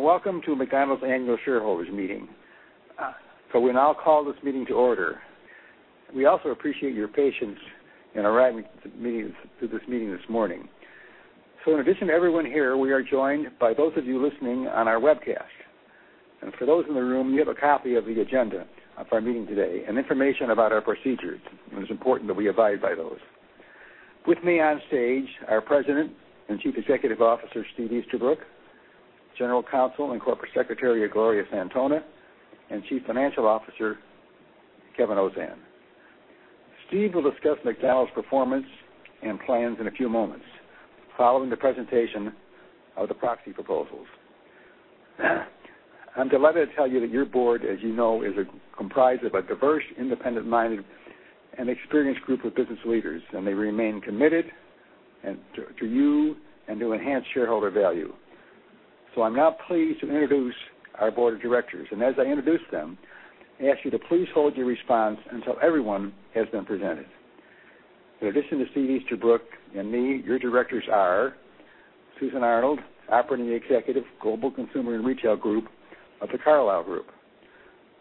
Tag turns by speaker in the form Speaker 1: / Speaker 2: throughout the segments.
Speaker 1: Welcome to McDonald's Annual Shareholders Meeting. We now call this meeting to order. We also appreciate your patience in arriving to this meeting this morning. In addition to everyone here, we are joined by those of you listening on our webcast. For those in the room, you have a copy of the agenda of our meeting today and information about our procedures, and it's important that we abide by those. With me on stage, our President and Chief Executive Officer, Steve Easterbrook, General Counsel and Corporate Secretary, Gloria Santona, and Chief Financial Officer, Kevin Ozan. Steve will discuss McDonald's performance and plans in a few moments, following the presentation of the proxy proposals. I'm delighted to tell you that your board, as you know, is comprised of a diverse, independent-minded, and experienced group of business leaders, and they remain committed to you and to enhance shareholder value. I'm now pleased to introduce our board of directors. As I introduce them, may I ask you to please hold your response until everyone has been presented. In addition to Steve Easterbrook and me, your directors are Susan Arnold, Operating Executive, Global Consumer and Retail Group of The Carlyle Group;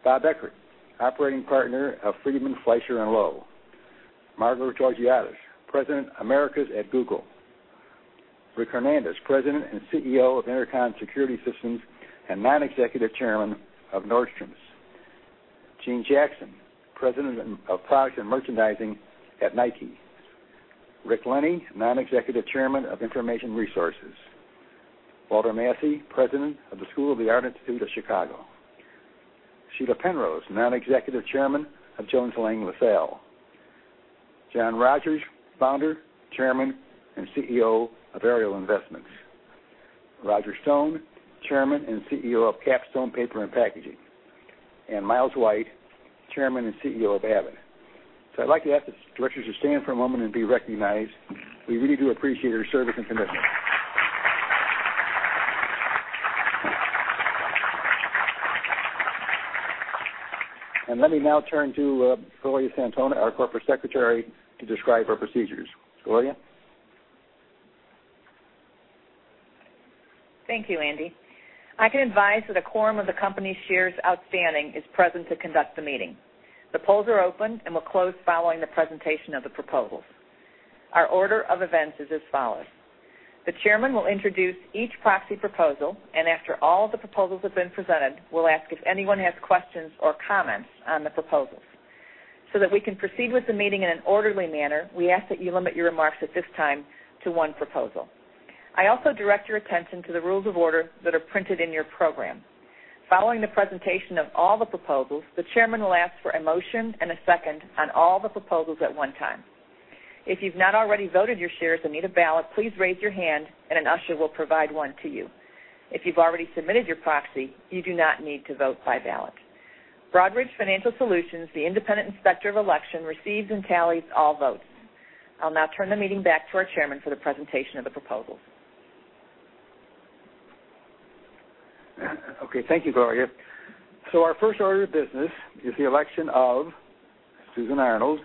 Speaker 1: Bob Eckert, Operating Partner of Friedman, Fleischer & Lowe; Margo Georgiadis, President, Americas at Google; Rick Hernandez, President and CEO of Inter-Con Security Systems and Non-Executive Chairman of Nordstrom; Jeanne Jackson, President of Products and Merchandising at Nike; Rick Lenny, Non-Executive Chairman of Information Resources; Walter Massey, President of the School of the Art Institute of Chicago; Sheila Penrose, Non-Executive Chairman of Jones Lang LaSalle; John Rogers, Founder, Chairman, and CEO of Ariel Investments; Roger Stone, Chairman and CEO of KapStone Paper and Packaging; and Miles White, Chairman and CEO of Abbott. I'd like to ask the directors to stand for a moment and be recognized. We really do appreciate your service and commitment. Let me now turn to Gloria Santona, our Corporate Secretary, to describe our procedures. Gloria?
Speaker 2: Thank you, Andy. I can advise that a quorum of the company's shares outstanding is present to conduct the meeting. The polls are open and will close following the presentation of the proposals. Our order of events is as follows. The chairman will introduce each proxy proposal, and after all the proposals have been presented, we'll ask if anyone has questions or comments on the proposals. That we can proceed with the meeting in an orderly manner, we ask that you limit your remarks at this time to one proposal. I also direct your attention to the rules of order that are printed in your program. Following the presentation of all the proposals, the chairman will ask for a motion and a second on all the proposals at one time. If you've not already voted your shares and need a ballot, please raise your hand and an usher will provide one to you. If you've already submitted your proxy, you do not need to vote by ballot. Broadridge Financial Solutions, the independent inspector of election, receives and tallies all votes. I'll now turn the meeting back to our chairman for the presentation of the proposals.
Speaker 1: Okay. Thank you, Gloria. Our first order of business is the election of Susan Arnold,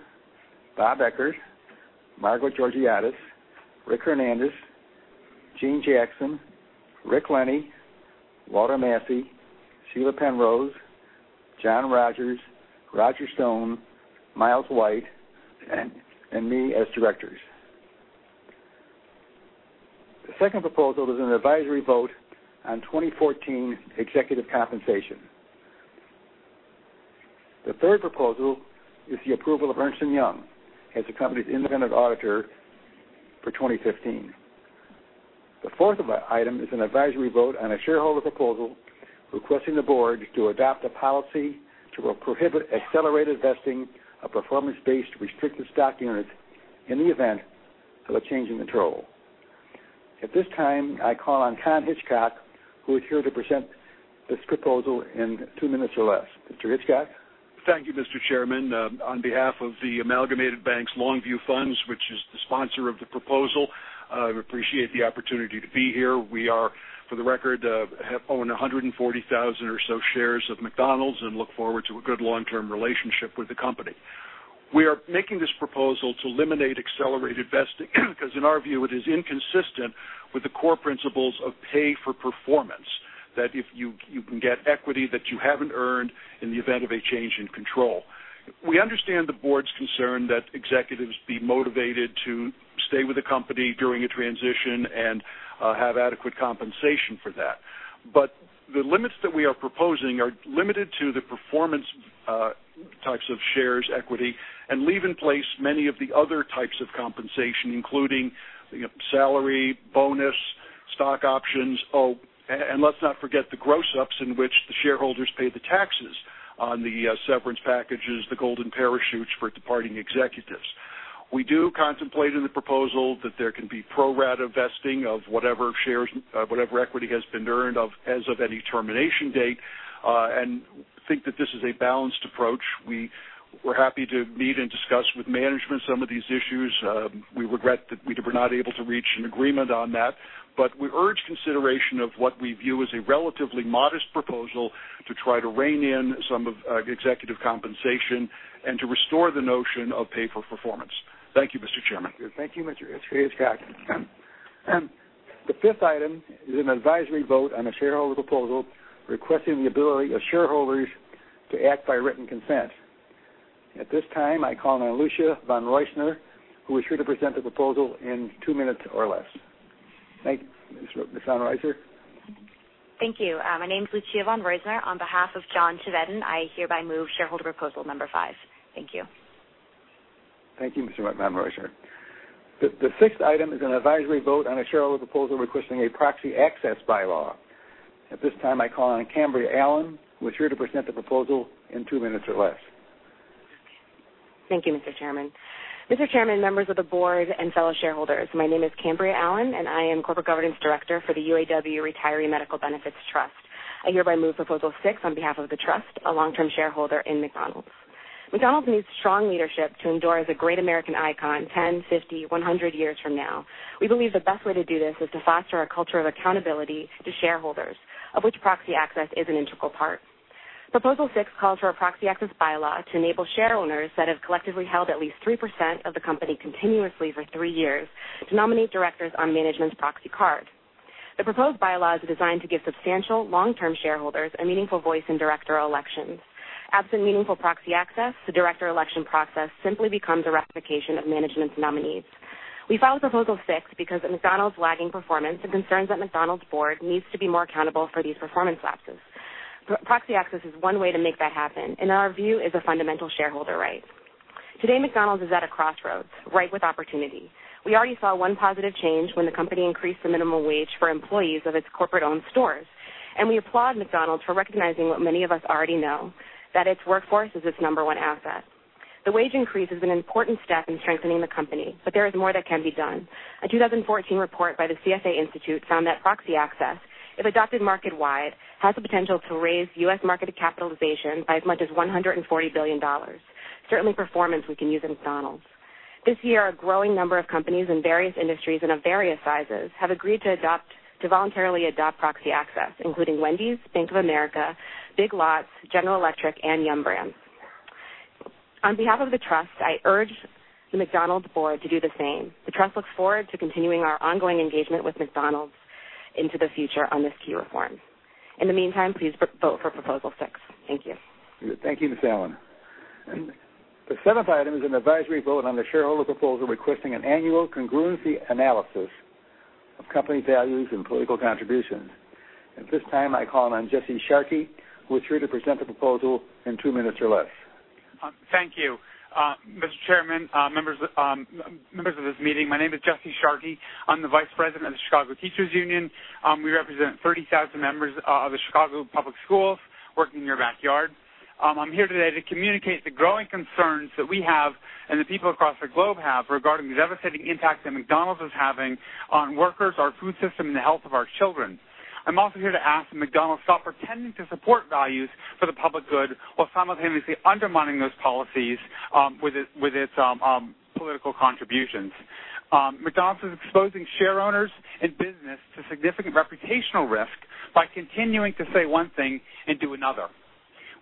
Speaker 1: Bob Eckert, Margo Georgiadis, Rick Hernandez, Jeanne Jackson, Rick Lenny, Walter Massey, Sheila Penrose, John Rogers, Roger Stone, Miles White, and me as directors. The second proposal is an advisory vote on 2014 executive compensation. The third proposal is the approval of Ernst & Young as the company's independent auditor for 2015. The fourth item is an advisory vote on a shareholder proposal requesting the board to adopt a policy to prohibit accelerated vesting of performance-based restrictive stock units in the event of a change in control. At this time, I call on Ken Hitchcock, who is here to present this proposal in two minutes or less. Mr. Hitchcock?
Speaker 3: Thank you, Mr. Chairman. On behalf of The Amalgamated Bank's LongView Funds, which is the sponsor of the proposal, I appreciate the opportunity to be here. We are, for the record, own 140,000 or so shares of McDonald's and look forward to a good long-term relationship with the company. We are making this proposal to eliminate accelerated vesting because, in our view, it is inconsistent with the core principles of pay for performance, that if you can get equity that you haven't earned in the event of a change in control. We understand the board's concern that executives be motivated to stay with the company during a transition and have adequate compensation for that. The limits that we are proposing are limited to the performance types of shares equity and leave in place many of the other types of compensation, including salary, bonus, stock options. Let's not forget the gross-ups in which the shareholders pay the taxes on the severance packages, the golden parachutes for departing executives. We do contemplate in the proposal that there can be pro-rata vesting of whatever equity has been earned as of any termination date and think that this is a balanced approach. We're happy to meet and discuss with management some of these issues. We regret that we were not able to reach an agreement on that. We urge consideration of what we view as a relatively modest proposal To try to rein in some of executive compensation and to restore the notion of pay for performance. Thank you, Mr. Chairman.
Speaker 1: Thank you, Mr. Hitchcock. The fifth item is an advisory vote on a shareholder proposal requesting the ability of shareholders to act by written consent. At this time, I call on Lucia von Reussner, who is here to present the proposal in two minutes or less. Thank you, Miss von Reussner.
Speaker 4: Thank you. My name's Lucia von Reussner. On behalf of John Chevedden, I hereby move shareholder proposal number five. Thank you.
Speaker 1: Thank you, Miss von Reussner. The sixth item is an advisory vote on a shareholder proposal requesting a proxy access bylaw. At this time, I call on Cambria Allen, who is here to present the proposal in two minutes or less.
Speaker 5: Thank you, Mr. Chairman. Mr. Chairman, members of the board, and fellow shareholders, my name is Cambria Allen, and I am corporate governance director for the UAW Retiree Medical Benefits Trust. I hereby move proposal six on behalf of the trust, a long-term shareholder in McDonald's. McDonald's needs strong leadership to endure as a great American icon 10, 50, 100 years from now. We believe the best way to do this is to foster a culture of accountability to shareholders, of which proxy access is an integral part. Proposal six calls for a proxy access bylaw to enable share owners that have collectively held at least 3% of the company continuously for three years to nominate directors on management's proxy card. The proposed bylaw is designed to give substantial long-term shareholders a meaningful voice in director elections. Absent meaningful proxy access, the director election process simply becomes a ratification of management's nominees. We file proposal six because of McDonald's lagging performance and concerns that McDonald's board needs to be more accountable for these performance lapses. Proxy access is one way to make that happen and in our view is a fundamental shareholder right. Today, McDonald's is at a crossroads, ripe with opportunity. We already saw one positive change when the company increased the minimum wage for employees of its corporate-owned stores, and we applaud McDonald's for recognizing what many of us already know, that its workforce is its number one asset. There is more that can be done. A 2014 report by the CFA Institute found that proxy access, if adopted market-wide, has the potential to raise U.S. market capitalization by as much as $140 billion. Certainly, performance we can use in McDonald's. This year, a growing number of companies in various industries and of various sizes have agreed to voluntarily adopt proxy access, including Wendy's, Bank of America, Big Lots, General Electric, and Yum! Brands. On behalf of the trust, I urge the McDonald's board to do the same. The trust looks forward to continuing our ongoing engagement with McDonald's into the future on this key reform. In the meantime, please vote for proposal six. Thank you.
Speaker 1: Thank you, Miss Allen. The seventh item is an advisory vote on the shareholder proposal requesting an annual congruency analysis of company values and political contributions. At this time, I call on Jesse Sharkey, who is here to present the proposal in two minutes or less.
Speaker 6: Thank you. Mr. Chairman, members of this meeting, my name is Jesse Sharkey. I'm the Vice President of the Chicago Teachers Union. We represent 30,000 members of the Chicago Public Schools working in your backyard. I'm here today to communicate the growing concerns that we have and the people across the globe have regarding the devastating impact that McDonald's is having on workers, our food system, and the health of our children. I'm also here to ask that McDonald's stop pretending to support values for the public good while simultaneously undermining those policies with its political contributions. McDonald's is exposing share owners and business to significant reputational risk by continuing to say one thing and do another.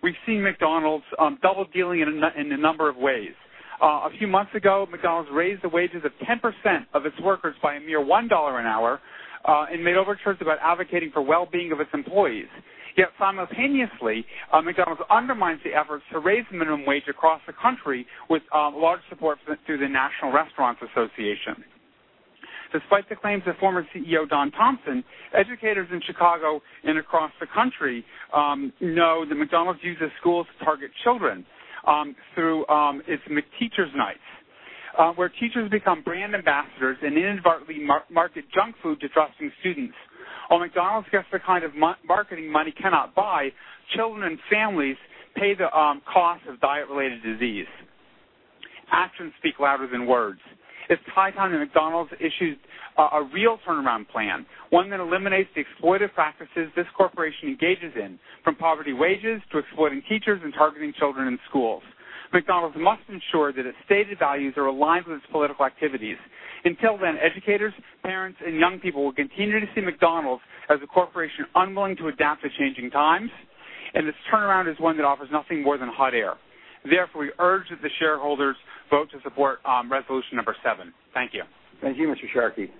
Speaker 6: We've seen McDonald's double-dealing in a number of ways. A few months ago, McDonald's raised the wages of 10% of its workers by a mere $1 an hour and made overtures about advocating for well-being of its employees. Yet simultaneously, McDonald's undermines the efforts to raise the minimum wage across the country with large support through the National Restaurant Association. Despite the claims of former CEO Don Thompson, educators in Chicago and across the country know that McDonald's uses schools to target children through its McTeacher's Nights, where teachers become brand ambassadors and inadvertently market junk food to trusting students. While McDonald's gets the kind of marketing money cannot buy, children and families pay the cost of diet-related disease. Actions speak louder than words. It's high time that McDonald's issues a real turnaround plan, one that eliminates the exploitive practices this corporation engages in, from poverty wages to exploiting teachers and targeting children in schools. McDonald's must ensure that its stated values are aligned with its political activities. Until then, educators, parents, and young people will continue to see McDonald's as a corporation unwilling to adapt to changing times, and its turnaround is one that offers nothing more than hot air. Therefore, we urge that the shareholders vote to support resolution number seven. Thank you.
Speaker 1: Thank you, Mr. Sharkey.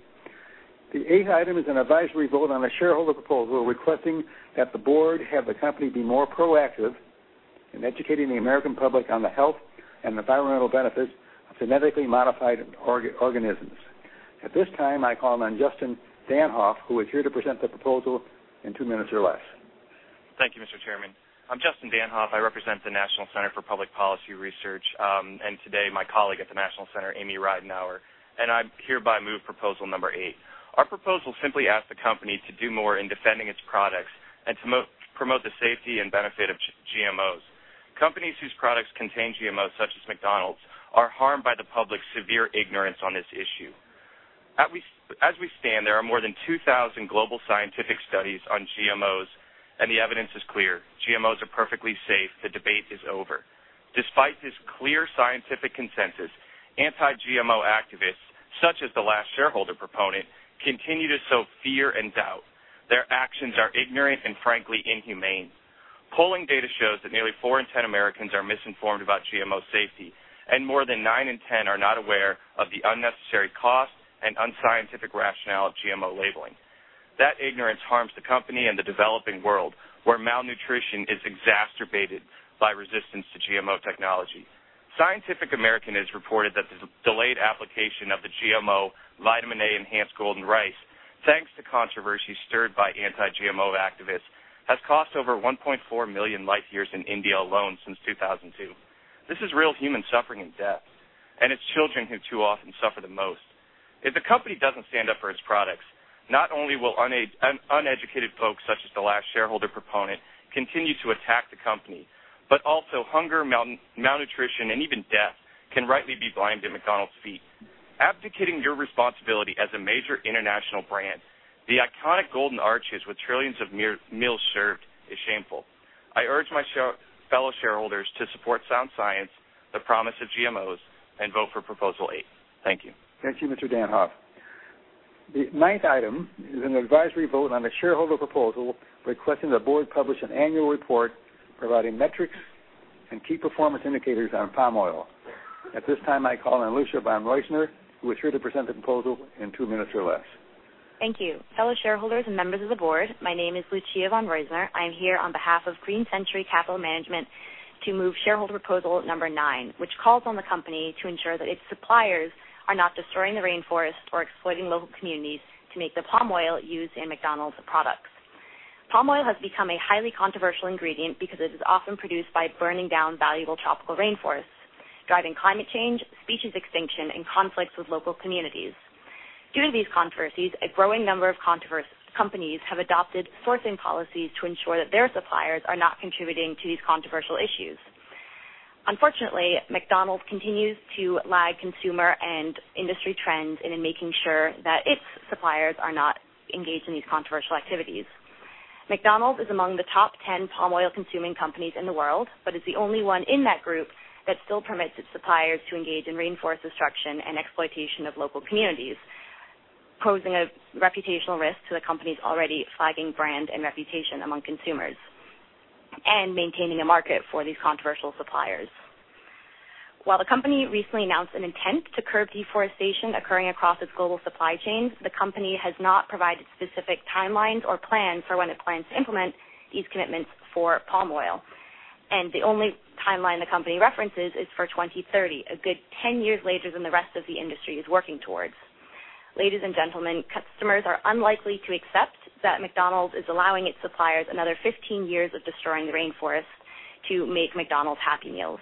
Speaker 1: The eighth item is an advisory vote on a shareholder proposal requesting that the board have the company be more proactive in educating the American public on the health and environmental benefits of genetically modified organisms. At this time, I call on Justin Danhof, who is here to present the proposal in two minutes or less.
Speaker 7: Thank you, Mr. Chairman. I am Justin Danhof. I represent the National Center for Public Policy Research. Today my colleague at the National Center, Amy Ridenour, and I hereby move proposal number eight. Our proposal simply asks the company to do more in defending its products and to promote the safety and benefit of GMOs. Companies whose products contain GMOs, such as McDonald's, are harmed by the public's severe ignorance on this issue. As we stand, there are more than 2,000 global scientific studies on GMOs. The evidence is clear. GMOs are perfectly safe. The debate is over.
Speaker 8: Despite this clear scientific consensus, anti-GMO activists, such as the last shareholder proponent, continue to sow fear and doubt. Their actions are ignorant and frankly inhumane. Polling data shows that nearly four in 10 Americans are misinformed about GMO safety. More than nine in 10 are not aware of the unnecessary cost and unscientific rationale of GMO labeling. That ignorance harms the company and the developing world, where malnutrition is exacerbated by resistance to GMO technology. Scientific American has reported that the delayed application of the GMO vitamin A-enhanced Golden Rice, thanks to controversy stirred by anti-GMO activists, has cost over 1.4 million life years in India alone since 2002. This is real human suffering and death. It is children who too often suffer the most.
Speaker 9: If the company does not stand up for its products, not only will uneducated folks, such as the last shareholder proponent, continue to attack the company, also hunger, malnutrition, and even death can rightly be blamed at McDonald's feet. Abdicating your responsibility as a major international brand, the iconic golden arches with trillions of meals served is shameful. I urge my fellow shareholders to support sound science, the promise of GMOs, and vote for Proposal eight. Thank you.
Speaker 1: Thank you, Mr. Danhof. The ninth item is an advisory vote on a shareholder proposal requesting the board publish an annual report providing metrics and key performance indicators on palm oil. At this time, I call on Lucia von Reussner, who is here to present the proposal in two minutes or less.
Speaker 4: Thank you. Fellow shareholders and members of the board, my name is Lucia von Reussner. I am here on behalf of Green Century Capital Management to move shareholder proposal number nine, which calls on the company to ensure that its suppliers are not destroying the rainforest or exploiting local communities to make the palm oil used in McDonald's products. Palm oil has become a highly controversial ingredient because it is often produced by burning down valuable tropical rainforests, driving climate change, species extinction, and conflicts with local communities. Due to these controversies, a growing number of companies have adopted sourcing policies to ensure that their suppliers are not contributing to these controversial issues. Unfortunately, McDonald's continues to lag consumer and industry trends and in making sure that its suppliers are not engaged in these controversial activities. McDonald's is among the top 10 palm oil-consuming companies in the world, but is the only one in that group that still permits its suppliers to engage in rainforest destruction and exploitation of local communities, posing a reputational risk to the company's already flagging brand and reputation among consumers and maintaining a market for these controversial suppliers. While the company recently announced an intent to curb deforestation occurring across its global supply chains, the company has not provided specific timelines or plans for when it plans to implement these commitments for palm oil. The only timeline the company references is for 2030, a good 10 years later than the rest of the industry is working towards. Ladies and gentlemen, customers are unlikely to accept that McDonald's is allowing its suppliers another 15 years of destroying the rainforest to make McDonald's Happy Meals.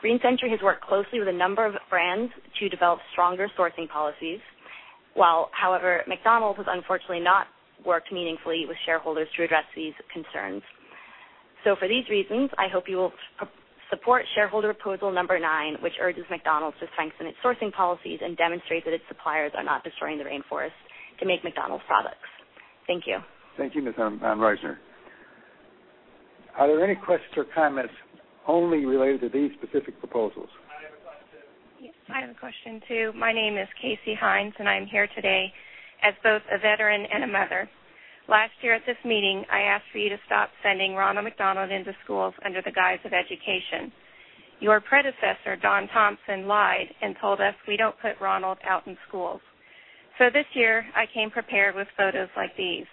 Speaker 4: Green Century has worked closely with a number of brands to develop stronger sourcing policies. However, McDonald's has unfortunately not worked meaningfully with shareholders to address these concerns. For these reasons, I hope you will support shareholder proposal number nine, which urges McDonald's to strengthen its sourcing policies and demonstrate that its suppliers are not destroying the rainforest to make McDonald's products. Thank you.
Speaker 1: Thank you, Ms. von Reussner. Are there any questions or comments only related to these specific proposals?
Speaker 10: I have a question too. Yes, I have a question too. My name is Casey Hines, and I'm here today as both a veteran and a mother. Last year at this meeting, I asked for you to stop sending Ronald McDonald into schools under the guise of education. Your predecessor, Don Thompson, lied and told us, "We don't put Ronald out in schools." This year, I came prepared with photos like these.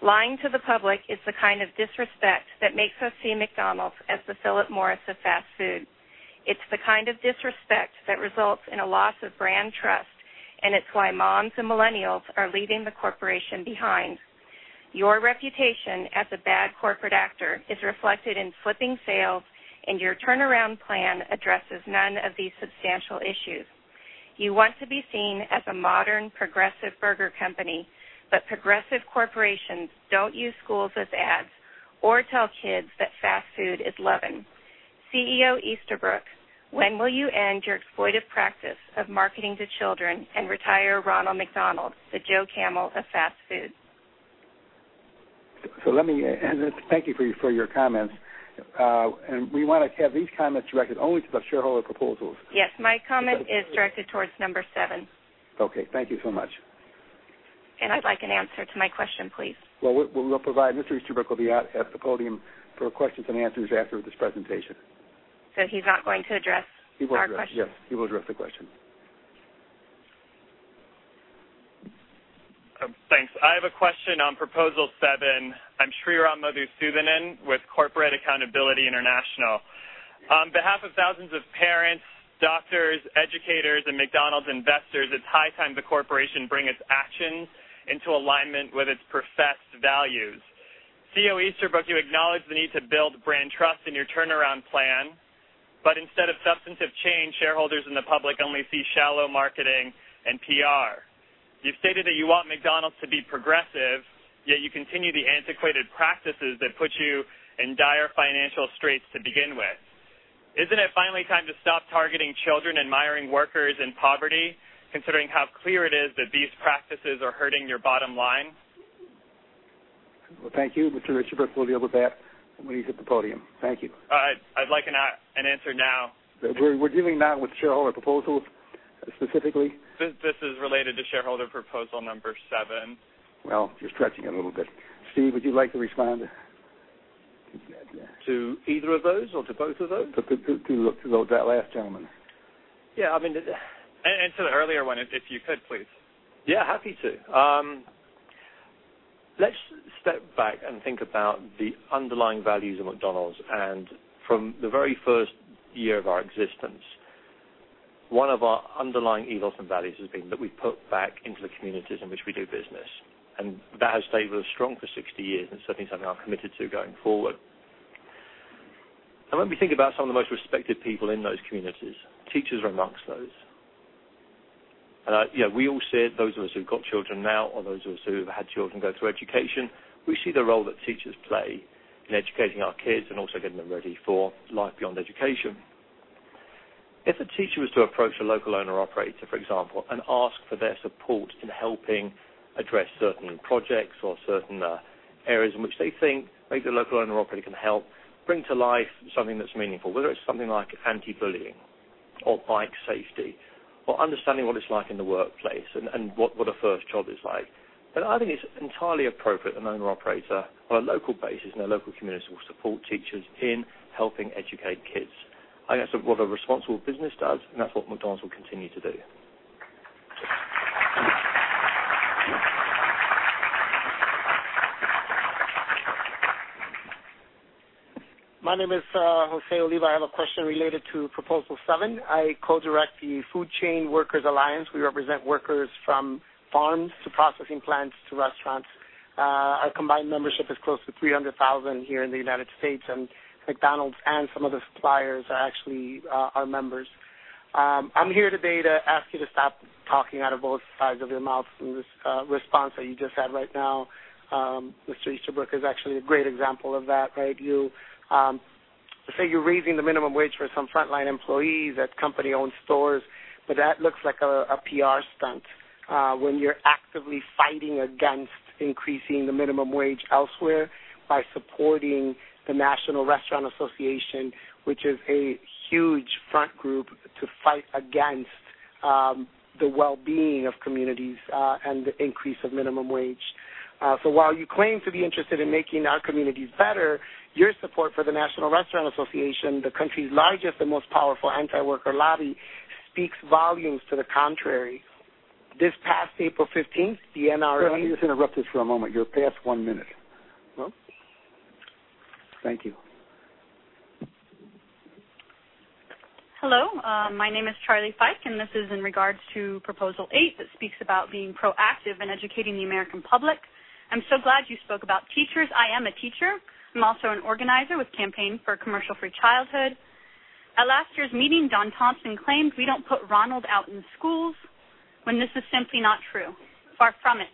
Speaker 10: Lying to the public is the kind of disrespect that makes us see McDonald's as the Philip Morris of fast food. It's the kind of disrespect that results in a loss of brand trust, and it's why moms and millennials are leaving the corporation behind. Your reputation as a bad corporate actor is reflected in slipping sales, Your turnaround plan addresses none of these substantial issues. You want to be seen as a modern, progressive burger company, Progressive corporations don't use schools as ads or tell kids that fast food is loving. CEO Easterbrook, when will you end your exploitive practice of marketing to children and retire Ronald McDonald, the Joe Camel of fast food?
Speaker 1: Let me Thank you for your comments. We want to have these comments directed only to the shareholder proposals.
Speaker 10: Yes, my comment is directed towards number 7.
Speaker 1: Okay. Thank you so much.
Speaker 10: I'd like an answer to my question, please.
Speaker 1: Well, we will provide. Mr. Easterbrook will be out at the podium for questions and answers after this presentation.
Speaker 10: He is not going to address our questions?
Speaker 1: He will address it. Yes, he will address the question.
Speaker 9: Thanks. I have a question on Proposal seven. I am Sriram Madhusoodanan with Corporate Accountability International. On behalf of thousands of parents, doctors, educators, and McDonald's investors, it is high time the corporation bring its actions into alignment with its professed values. CEO Easterbrook, you acknowledge the need to build brand trust in your turnaround plan, but instead of substantive change, shareholders and the public only see shallow marketing and PR. You have stated that you want McDonald's to be progressive, yet you continue the antiquated practices that put you in dire financial straits to begin with. Is not it finally time to stop targeting children and miring workers in poverty, considering how clear it is that these practices are hurting your bottom line?
Speaker 1: Well, thank you. Mr. Easterbrook will deal with that when he's at the podium. Thank you.
Speaker 9: I'd like an answer now.
Speaker 1: We're dealing now with shareholder proposals, specifically.
Speaker 9: This is related to shareholder proposal number seven.
Speaker 1: Well, you're stretching it a little bit. Steve, would you like to respond?
Speaker 11: To either of those or to both of those?
Speaker 1: To that last gentleman.
Speaker 11: Yeah.
Speaker 9: To the earlier one, if you could, please.
Speaker 11: Yeah, happy to. Let's step back and think about the underlying values of McDonald's. From the very first year of our existence, one of our underlying ethos and values has been that we put back into the communities in which we do business. That has stayed real strong for 60 years and certainly something I'm committed to going forward. When we think about some of the most respected people in those communities, teachers are amongst those. We all see it, those of us who've got children now, or those of us who've had children go through education, we see the role that teachers play in educating our kids and also getting them ready for life beyond education. If a teacher was to approach a local owner-operator, for example, and ask for their support in helping address certain projects or certain areas in which they think maybe a local owner-operator can help bring to life something that's meaningful, whether it's something like anti-bullying or bike safety, or understanding what it's like in the workplace and what a first job is like, then I think it's entirely appropriate an owner-operator, on a local basis, in their local community, will support teachers in helping educate kids. I think that's what a responsible business does, and that's what McDonald's will continue to do.
Speaker 12: My name is Jose Oliva. I have a question related to proposal seven. I co-direct the Food Chain Workers Alliance. We represent workers from farms to processing plants to restaurants. Our combined membership is close to 300,000 here in the U.S., and McDonald's and some of the suppliers are actually our members. I'm here today to ask you to stop talking out of both sides of your mouth in this response that you just had right now. Mr. Easterbrook is actually a great example of that, right? You say you're raising the minimum wage for some frontline employees at company-owned stores, that looks like a PR stunt, when you're actively fighting against increasing the minimum wage elsewhere by supporting the National Restaurant Association, which is a huge front group to fight against the well-being of communities and the increase of minimum wage. While you claim to be interested in making our communities better, your support for the National Restaurant Association, the country's largest and most powerful anti-worker lobby, speaks volumes to the contrary. This past April 15th, the NRA-
Speaker 1: Sir, let me just interrupt this for a moment. You're past one minute.
Speaker 12: Oh.
Speaker 1: Thank you.
Speaker 10: Hello. My name is Charlie Fyke, and this is in regards to proposal eight that speaks about being proactive in educating the American public. I'm so glad you spoke about teachers. I am a teacher. I'm also an organizer with Campaign for Commercial-Free Childhood. At last year's meeting, Don Thompson claimed we don't put Ronald out in schools, when this is simply not true. Far from it.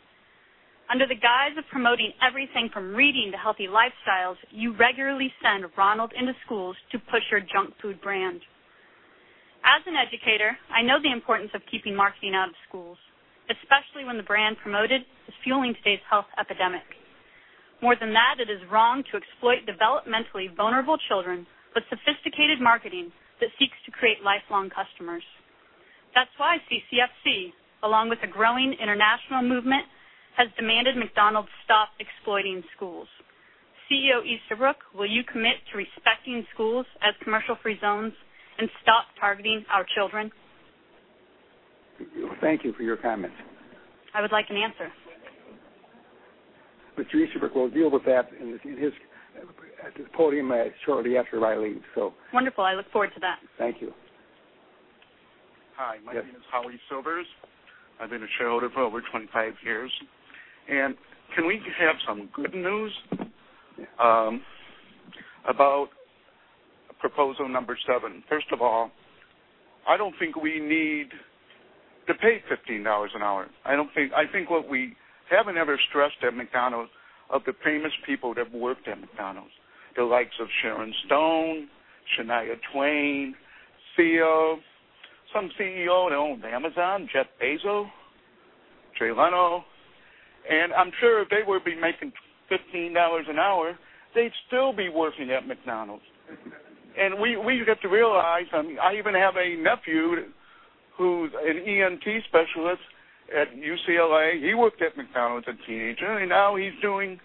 Speaker 10: Under the guise of promoting everything from reading to healthy lifestyles, you regularly send Ronald into schools to push your junk food brand. As an educator, I know the importance of keeping marketing out of schools, especially when the brand promoted is fueling today's health epidemic. More than that, it is wrong to exploit developmentally vulnerable children with sophisticated marketing that seeks to create lifelong customers. That's why CCFC, along with a growing international movement, has demanded McDonald's stop exploiting schools. CEO Easterbrook, will you commit to respecting schools as commercial-free zones and stop targeting our children?
Speaker 1: Thank you for your comments.
Speaker 10: I would like an answer.
Speaker 1: Mr. Easterbrook will deal with that at the podium shortly after I leave.
Speaker 10: Wonderful. I look forward to that.
Speaker 1: Thank you.
Speaker 10: Hi.
Speaker 1: Yes.
Speaker 10: My name is Holly Silvers. I've been a shareholder for over 25 years. Can we have some good news about proposal number seven? First of all, I don't think we need to pay $15 an hour. I think what we haven't ever stressed at McDonald's are the famous people that have worked at McDonald's, the likes of Sharon Stone, Shania Twain, Phio, some CEO that owned Amazon, Jeff Bezos, Jay Leno, I'm sure if they would be making $15 an hour, they'd still be working at McDonald's. We've got to realize, I even have a nephew who's an EMT specialist at UCLA. He worked at McDonald's as a teenager, now he's doing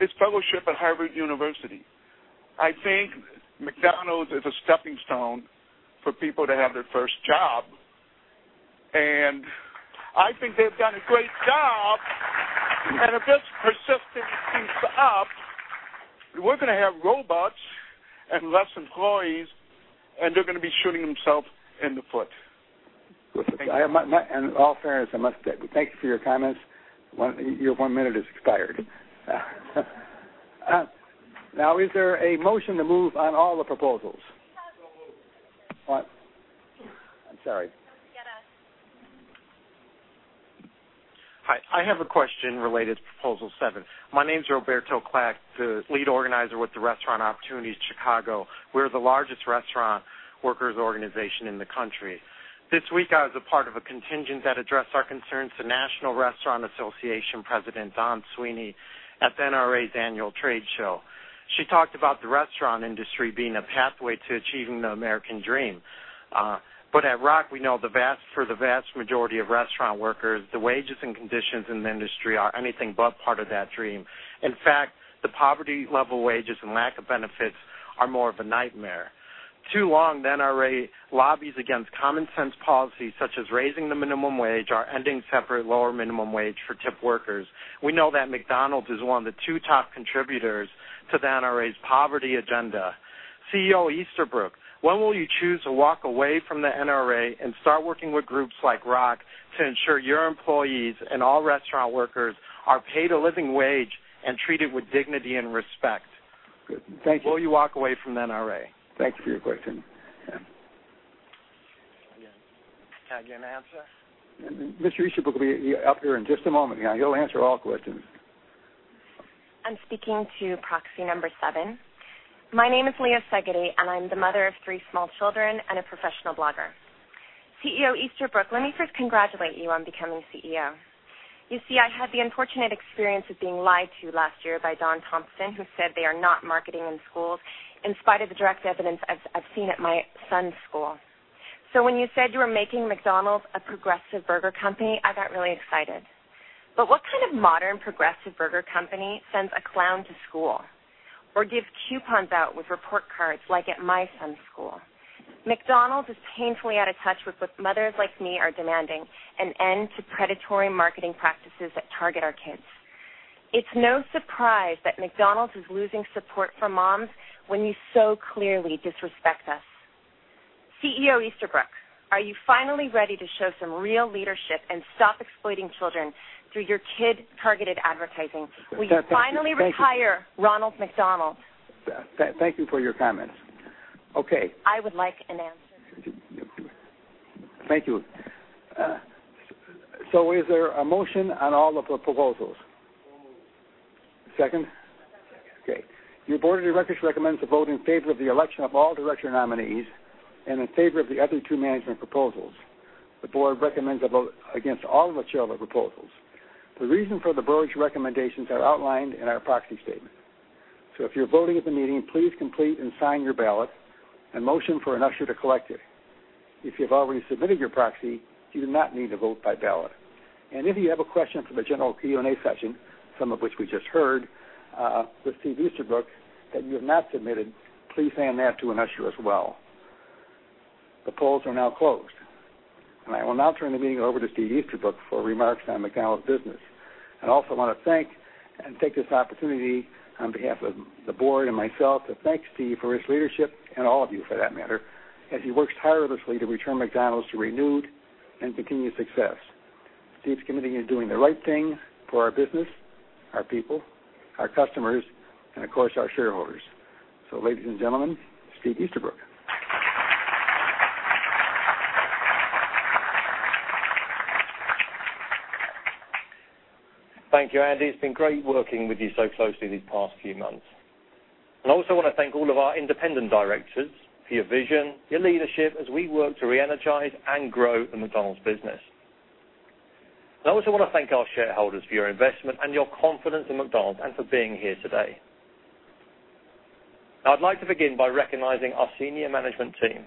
Speaker 10: his fellowship at Harvard University. I think McDonald's is a stepping stone for people to have their first job, I think they've done a great job. If this persistent keeps up, we're going to have robots and less employees, and they're going to be shooting themselves in the foot. Thank you.
Speaker 1: In all fairness, I must say, thank you for your comments. Your one minute has expired. Is there a motion to move on all the proposals?
Speaker 9: We have a motion. What? I'm sorry. Don't forget us.
Speaker 13: Hi. I have a question related to proposal seven. My name's Roberto Clack, the lead organizer with the Restaurant Opportunities Chicago. We're the largest restaurant workers organization in the country. This week, I was a part of a contingent that addressed our concerns to National Restaurant Association President Dawn Sweeney at the NRA's annual trade show. She talked about the restaurant industry being a pathway to achieving the American dream. At ROC, we know for the vast majority of restaurant workers, the wages and conditions in the industry are anything but part of that dream. In fact, the poverty level wages and lack of benefits are more of a nightmare. Too long, the NRA lobbies against common sense policies such as raising the minimum wage or ending separate lower minimum wage for tipped workers. We know that McDonald's is one of the two top contributors to the NRA's poverty agenda. CEO Easterbrook, when will you choose to walk away from the NRA and start working with groups like ROC to ensure your employees and all restaurant workers are paid a living wage and treated with dignity and respect?
Speaker 1: Thank you.
Speaker 13: Will you walk away from the NRA?
Speaker 1: Thank you for your question. Yeah.
Speaker 13: Can I get an answer?
Speaker 1: Mr. Easterbrook will be up here in just a moment now. He'll answer all questions.
Speaker 10: I'm speaking to proxy number seven. My name is Leah Segedie, and I'm the mother of three small children and a professional blogger. CEO Easterbrook, let me first congratulate you on becoming CEO. You see, I had the unfortunate experience of being lied to last year by Don Thompson, who said they are not marketing in schools in spite of the direct evidence I've seen at my son's school. When you said you were making McDonald's a progressive burger company, I got really excited. What kind of modern progressive burger company sends a clown to school or gives coupons out with report cards like at my son's school? McDonald's is painfully out of touch with what mothers like me are demanding, an end to predatory marketing practices that target our kids. It's no surprise that McDonald's is losing support from moms when you so clearly disrespect us. CEO Easterbrook, are you finally ready to show some real leadership and stop exploiting children through your kid-targeted advertising?
Speaker 1: Thank you.
Speaker 10: Will you finally retire Ronald McDonald?
Speaker 1: Thank you for your comments. Okay.
Speaker 10: I would like an answer.
Speaker 1: Thank you. Is there a motion on all of the proposals?
Speaker 13: Moved.
Speaker 1: Second?
Speaker 14: Second.
Speaker 1: Okay. Your board of directors recommends a vote in favor of the election of all director nominees and in favor of the other two management proposals. The board recommends a vote against all of the shareholder proposals. The reason for the board's recommendations are outlined in our proxy statement. If you're voting at the meeting, please complete and sign your ballot and motion for an usher to collect it. If you've already submitted your proxy, you do not need to vote by ballot. If you have a question for the general Q&A session, some of which we just heard, with Steve Easterbrook that you have not submitted, please hand that to an usher as well. The polls are now closed. I will now turn the meeting over to Steve Easterbrook for remarks on McDonald's business. I also want to thank and take this opportunity on behalf of the board and myself to thank Steve for his leadership, and all of you for that matter, as he works tirelessly to return McDonald's to renewed and continued success. Steve's committed to doing the right thing for our business, our people, our customers, and of course, our shareholders. Ladies and gentlemen, Steve Easterbrook.
Speaker 11: Thank you, Andy. It's been great working with you so closely these past few months. I also want to thank all of our independent directors for your vision, your leadership, as we work to reenergize and grow the McDonald's business. I also want to thank our shareholders for your investment and your confidence in McDonald's and for being here today. Now, I'd like to begin by recognizing our senior management team.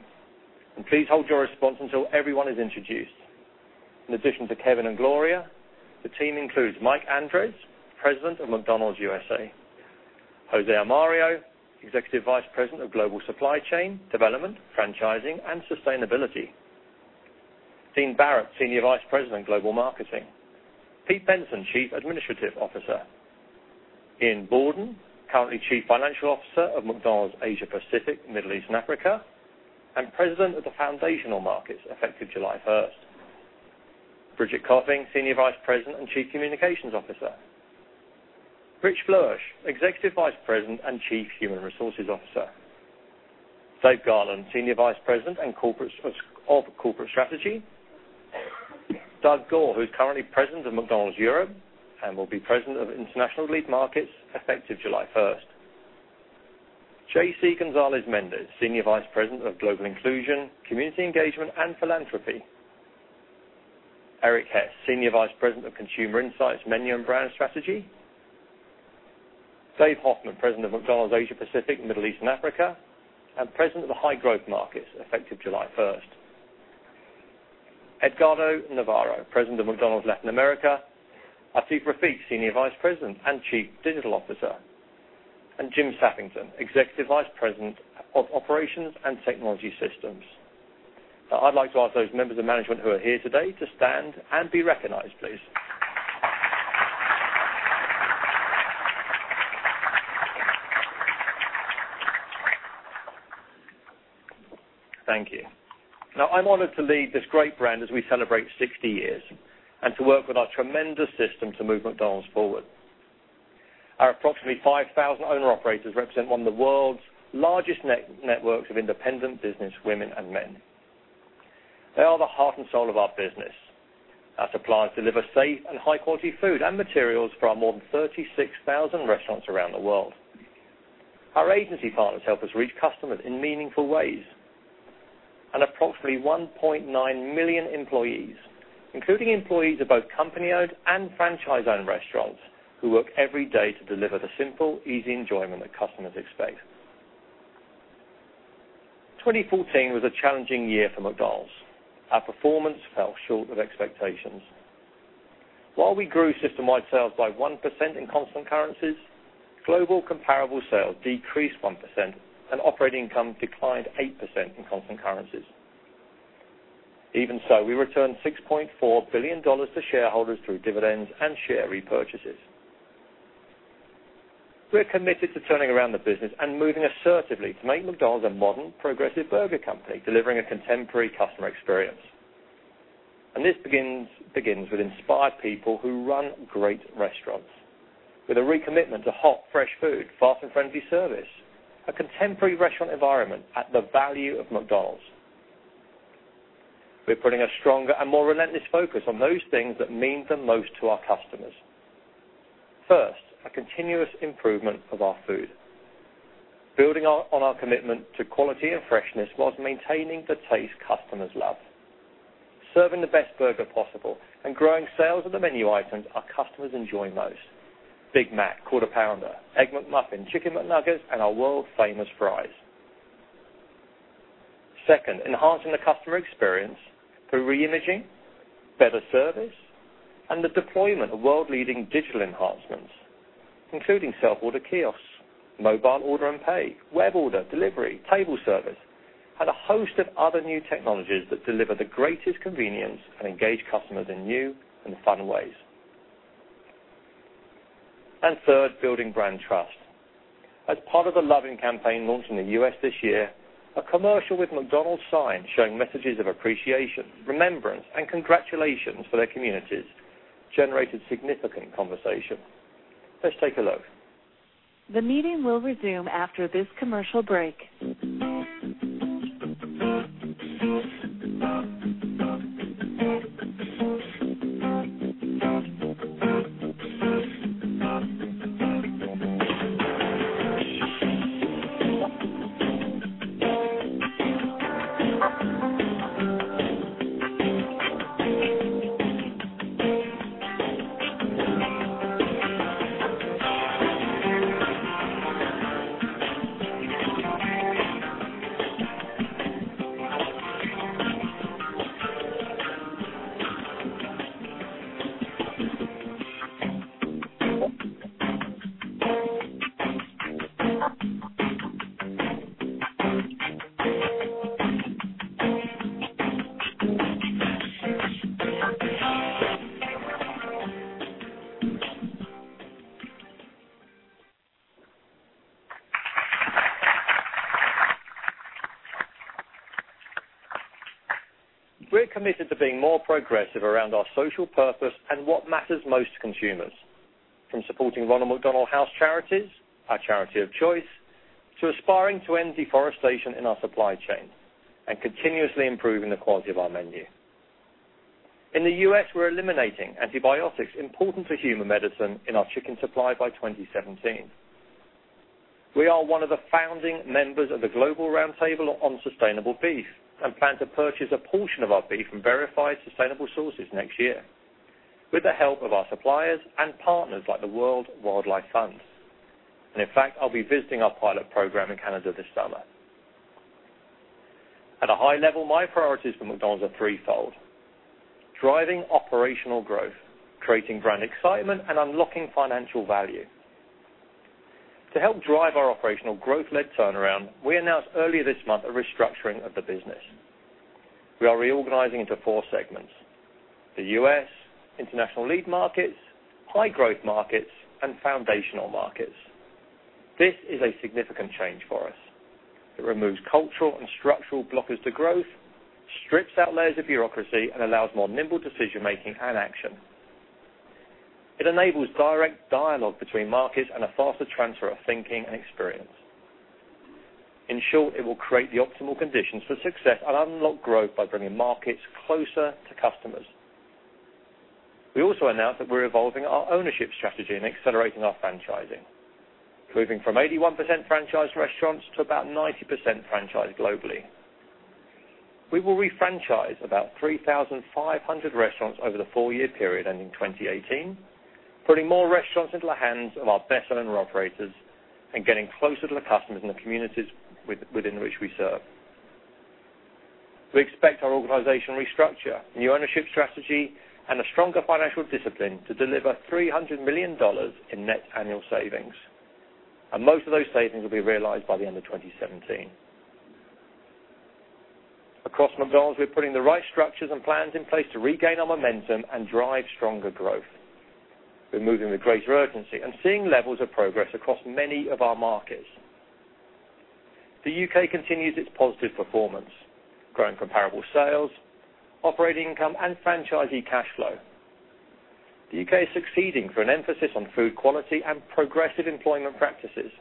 Speaker 11: Please hold your response until everyone is introduced. In addition to Kevin and Gloria, the team includes Mike Andres, President of McDonald's USA. Jose Armario, Executive Vice President of Global Supply Chain, Development, Franchising, and Sustainability. Dean Barrett, Senior Vice President, Global Marketing. Pete Bensen, Chief Administrative Officer. Ian Borden, currently Chief Financial Officer of McDonald's Asia Pacific, Middle East, and Africa, and President of the Foundational Markets, effective July 1st. Bridget Coffing, Senior Vice President and Chief Communications Officer. Rich Floersch, Executive Vice President and Chief Human Resources Officer. Dave Garland, Senior Vice President of Corporate Strategy. Doug Goare, who's currently President of McDonald's Europe and will be President of International Lead Markets effective July 1st. J.C. Gonzalez-Mendez, Senior Vice President of Global Inclusion, Community Engagement, and Philanthropy. Erik Hess, Senior Vice President of Consumer Insights, Menu, and Brand Strategy. Dave Hoffman, President of McDonald's Asia Pacific, Middle East, and Africa, and President of the High Growth Markets, effective July 1st. Edgardo Navarro, President of McDonald's Latin America. Atif Rafiq, Senior Vice President and Chief Digital Officer. Jim Sappington, Executive Vice President of Operations and Technology Systems. Now, I'd like to ask those members of management who are here today to stand and be recognized, please. Thank you. Now, I'm honored to lead this great brand as we celebrate 60 years and to work with our tremendous system to move McDonald's forward. Our approximately 5,000 owner-operators represent one of the world's largest networks of independent businesswomen and men. They are the heart and soul of our business. Our suppliers deliver safe and high-quality food and materials for our more than 36,000 restaurants around the world. Our agency partners help us reach customers in meaningful ways. Approximately 1.9 million employees, including employees of both company-owned and franchise-owned restaurants, who work every day to deliver the simple, easy enjoyment that customers expect. 2014 was a challenging year for McDonald's. Our performance fell short of expectations. While we grew system-wide sales by 1% in constant currencies, global comparable sales decreased 1% and operating income declined 8% in constant currencies. Even so, we returned $6.4 billion to shareholders through dividends and share repurchases. We're committed to turning around the business and moving assertively to make McDonald's a modern, progressive burger company, delivering a contemporary customer experience. This begins with inspired people who run great restaurants with a recommitment to hot, fresh food, fast and friendly service, a contemporary restaurant environment at the value of McDonald's. We're putting a stronger and more relentless focus on those things that mean the most to our customers. First, a continuous improvement of our food, building on our commitment to quality and freshness while maintaining the taste customers love, serving the best burger possible and growing sales of the menu items our customers enjoy most: Big Mac, Quarter Pounder, Egg McMuffin, Chicken McNuggets, and our world-famous fries. Second, enhancing the customer experience through reimaging, better service, and the deployment of world-leading digital enhancements, including self-order kiosks, mobile order and pay, web order, delivery, table service, and a host of other new technologies that deliver the greatest convenience and engage customers in new and fun ways. Third, building brand trust. As part of the loving campaign launched in the U.S. this year, a commercial with McDonald's signs showing messages of appreciation, remembrance, and congratulations for their communities generated significant conversation. Let's take a look.
Speaker 6: The meeting will resume after this commercial break.
Speaker 11: We're committed to being more progressive around our social purpose and what matters most to consumers, from supporting Ronald McDonald House Charities, our charity of choice, to aspiring to end deforestation in our supply chain and continuously improving the quality of our menu. In the U.S., we're eliminating antibiotics important to human medicine in our chicken supply by 2017. We are one of the founding members of the Global Roundtable for Sustainable Beef and plan to purchase a portion of our beef from verified sustainable sources next year with the help of our suppliers and partners like the World Wildlife Fund. In fact, I'll be visiting our pilot program in Canada this summer. At a high level, my priorities for McDonald's are threefold: Driving operational growth, creating brand excitement, and unlocking financial value. To help drive our operational growth-led turnaround, we announced earlier this month a restructuring of the business. We are reorganizing into four segments: the U.S., International Lead Markets, High Growth Markets, and Foundational Markets. This is a significant change for us. It removes cultural and structural blockers to growth, strips out layers of bureaucracy, and allows more nimble decision-making and action. It enables direct dialogue between markets and a faster transfer of thinking and experience. In short, it will create the optimal conditions for success and unlock growth by bringing markets closer to customers. We also announced that we're evolving our ownership strategy and accelerating our franchising, moving from 81% franchise restaurants to about 90% franchise globally. We will refranchise about 3,500 restaurants over the four-year period ending 2018, putting more restaurants into the hands of our best owner-operators and getting closer to the customers in the communities within which we serve. We expect our organization restructure, new ownership strategy, and a stronger financial discipline to deliver $300 million in net annual savings. Most of those savings will be realized by the end of 2017. Across McDonald's, we're putting the right structures and plans in place to regain our momentum and drive stronger growth. We're moving with greater urgency and seeing levels of progress across many of our markets. The U.K. continues its positive performance, growing comparable sales, operating income, and franchisee cash flow. The U.K. is succeeding for an emphasis on food quality and progressive employment practices,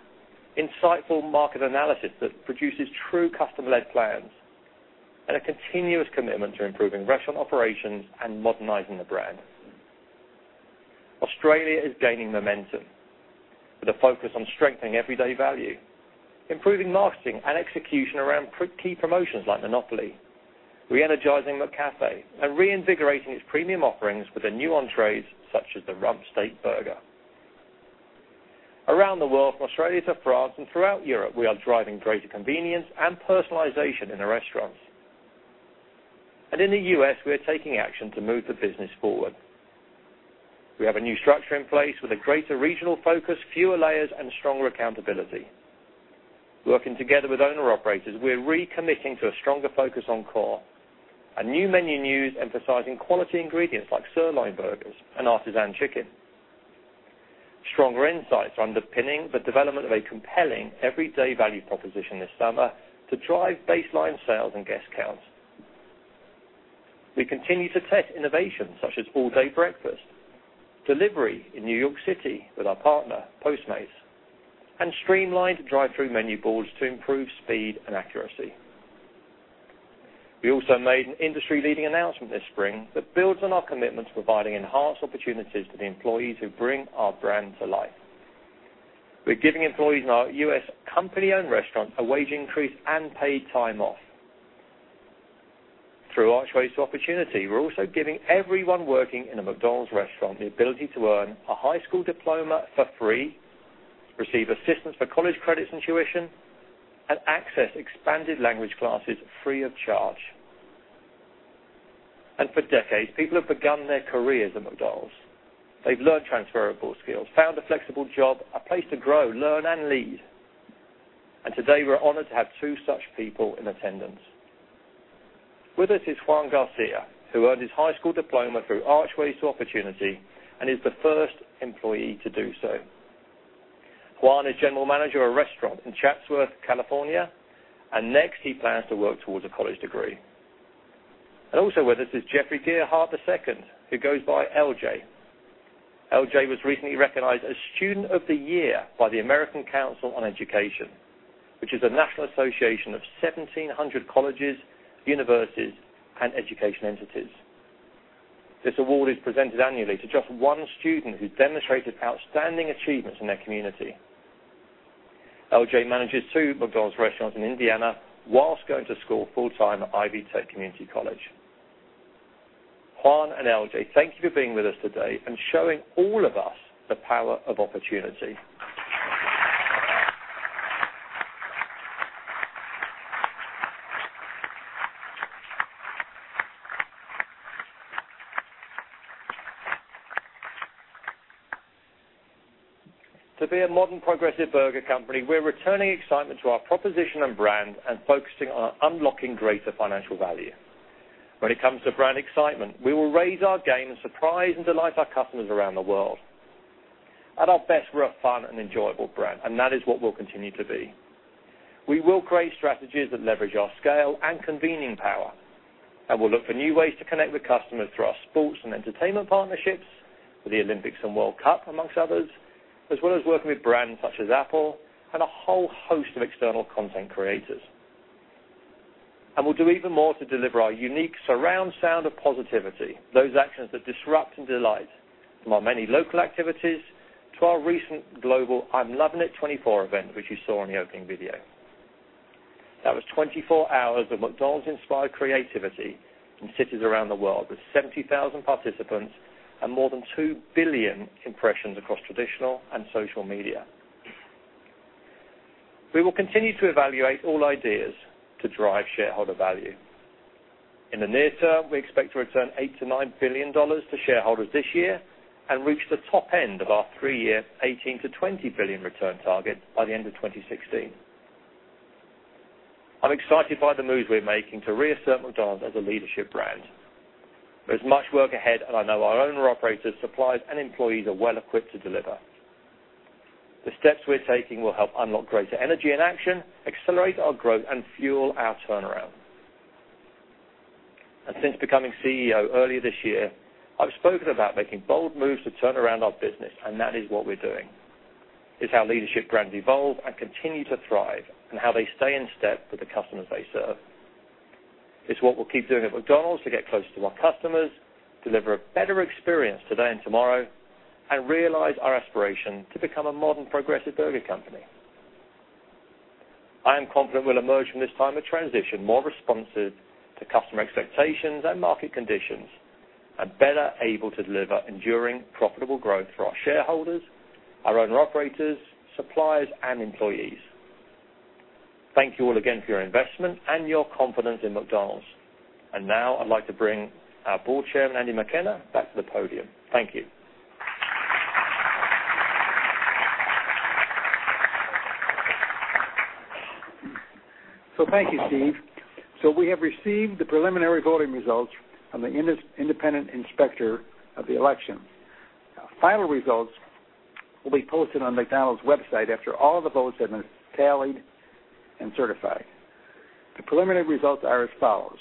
Speaker 11: insightful market analysis that produces true customer-led plans, and a continuous commitment to improving restaurant operations and modernizing the brand. Australia is gaining momentum with a focus on strengthening everyday value, improving marketing and execution around key promotions like Monopoly, re-energizing McCafé, and reinvigorating its premium offerings with the new entrees such as the rump steak burger. Around the world, from Australia to France and throughout Europe, we are driving greater convenience and personalization in the restaurants. In the U.S., we are taking action to move the business forward. We have a new structure in place with a greater regional focus, fewer layers, and stronger accountability. Working together with owner-operators, we're recommitting to a stronger focus on core and new menu news, emphasizing quality ingredients like sirloin burgers and artisan chicken. Stronger insights underpinning the development of a compelling everyday value proposition this summer to drive baseline sales and guest counts. We continue to test innovations such as all-day breakfast, delivery in New York City with our partner, Postmates, and streamlined drive-thru menu boards to improve speed and accuracy. We also made an industry-leading announcement this spring that builds on our commitment to providing enhanced opportunities to the employees who bring our brand to life. We're giving employees in our U.S. company-owned restaurants a wage increase and paid time off. Through Archways to Opportunity, we're also giving everyone working in a McDonald's restaurant the ability to earn a high school diploma for free, receive assistance for college credits and tuition, and access expanded language classes free of charge. For decades, people have begun their careers at McDonald's. They've learned transferable skills, found a flexible job, a place to grow, learn, and lead. Today, we're honored to have two such people in attendance. With us is Juan Garcia, who earned his high school diploma through Archways to Opportunity and is the first employee to do so. Juan is general manager of a restaurant in Chatsworth, California, and next he plans to work towards a college degree. Also with us is Jeffrey Gearhart II, who goes by LJ. LJ was recently recognized as Student of the Year by the American Council on Education, which is a national association of 1,700 colleges, universities, and education entities. This award is presented annually to just one student who's demonstrated outstanding achievements in their community. LJ manages two McDonald's restaurants in Indiana whilst going to school full-time at Ivy Tech Community College. Juan and LJ, thank you for being with us today and showing all of us the power of opportunity. To be a modern, progressive burger company, we're returning excitement to our proposition and brand and focusing on unlocking greater financial value. When it comes to brand excitement, we will raise our game and surprise and delight our customers around the world. At our best, we're a fun and enjoyable brand, that is what we'll continue to be. We will create strategies that leverage our scale and convening power, we'll look for new ways to connect with customers through our sports and entertainment partnerships with the Olympics and World Cup, amongst others, as well as working with brands such as Apple and a whole host of external content creators. We'll do even more to deliver our unique surround sound of positivity, those actions that disrupt and delight, from our many local activities to our recent global I'm Lovin' It 24 event, which you saw in the opening video. That was 24 hours of McDonald's-inspired creativity in cities around the world, with 70,000 participants and more than 2 billion impressions across traditional and social media. We will continue to evaluate all ideas to drive shareholder value. In the near term, we expect to return $8 billion-$9 billion to shareholders this year and reach the top end of our three-year $18 billion-$20 billion return target by the end of 2016. I'm excited by the moves we're making to reassert McDonald's as a leadership brand. There's much work ahead, I know our owner-operators, suppliers, and employees are well-equipped to deliver. The steps we're taking will help unlock greater energy and action, accelerate our growth, and fuel our turnaround. Since becoming CEO earlier this year, I've spoken about making bold moves to turn around our business, that is what we're doing. It's how leadership brands evolve and continue to thrive, how they stay in step with the customers they serve. It's what we'll keep doing at McDonald's to get closer to our customers, deliver a better experience today and tomorrow, realize our aspiration to become a modern, progressive burger company. I am confident we'll emerge from this time of transition more responsive to customer expectations and market conditions, better able to deliver enduring profitable growth for our shareholders, our owner-operators, suppliers, and employees. Thank you all again for your investment and your confidence in McDonald's. Now I'd like to bring our board chairman, Andy McKenna, back to the podium. Thank you.
Speaker 1: Thank you, Steve. We have received the preliminary voting results from the independent inspector of the election. Final results will be posted on McDonald's website after all the votes have been tallied and certified. The preliminary results are as follows: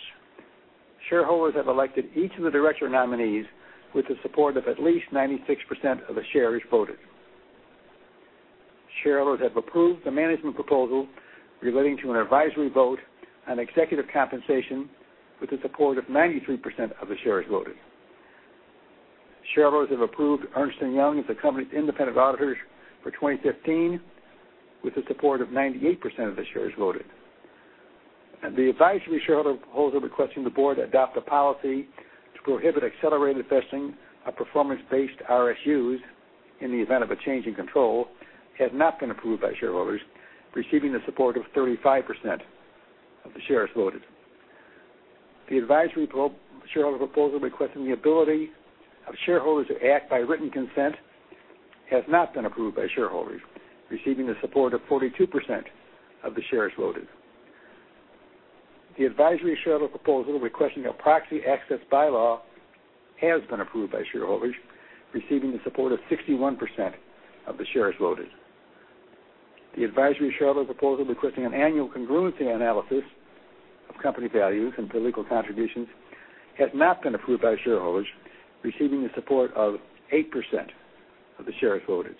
Speaker 1: shareholders have elected each of the director nominees with the support of at least 96% of the shares voted. Shareholders have approved the management proposal relating to an advisory vote on executive compensation with the support of 93% of the shares voted. Shareholders have approved Ernst & Young as the company's independent auditors for 2015 with the support of 98% of the shares voted. The advisory shareholder proposal requesting the board adopt a policy to prohibit accelerated vesting of performance-based RSUs in the event of a change in control has not been approved by shareholders, receiving the support of 35% of the shares voted. The advisory shareholder proposal requesting the ability of shareholders to act by written consent has not been approved by shareholders, receiving the support of 42% of the shares voted. The advisory shareholder proposal requesting a proxy access by-law has been approved by shareholders, receiving the support of 61% of the shares voted. The advisory shareholder proposal requesting an annual congruency analysis of company values and political contributions has not been approved by shareholders, receiving the support of 8% of the shares voted.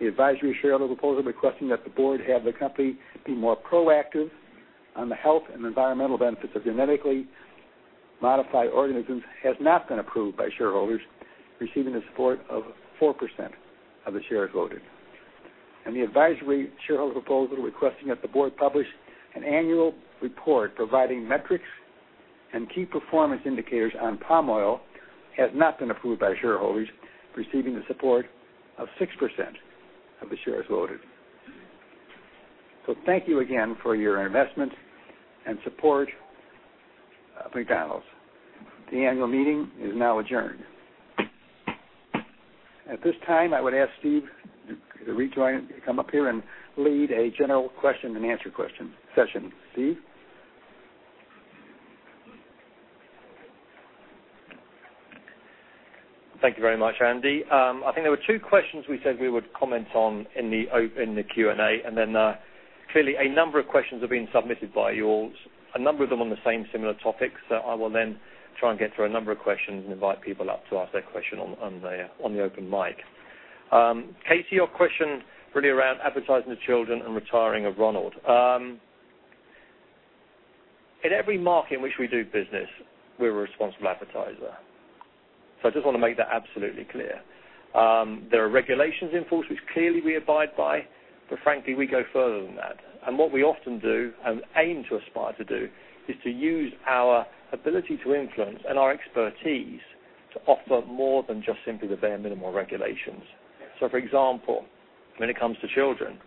Speaker 1: The advisory shareholder proposal requesting that the board have the company be more proactive on the health and environmental benefits of genetically modified organisms has not been approved by shareholders, receiving the support of 4% of the shares voted. The advisory shareholder proposal requesting that the board publish an annual report providing metrics and key performance indicators on palm oil has not been approved by shareholders, receiving the support of 6% of the shares voted. Thank you again for your investment and support of McDonald's. The annual meeting is now adjourned. At this time, I would ask Steve to come up here and lead a general question and answer session. Steve?
Speaker 11: Thank you very much, Andy. I think there were two questions we said we would comment on in the Q&A. Clearly a number of questions have been submitted by you all, a number of them on the same similar topics. I will then try and get through a number of questions and invite people up to ask their question on the open mic. Katie, your question really around advertising to children and retiring of Ronald. In every market in which we do business, we're a responsible advertiser. I just want to make that absolutely clear. There are regulations in force, which clearly we abide by, but frankly, we go further than that. What we often do and aim to aspire to do is to use our ability to influence and our expertise to offer more than just simply the bare minimal regulations. For example, when it comes to children,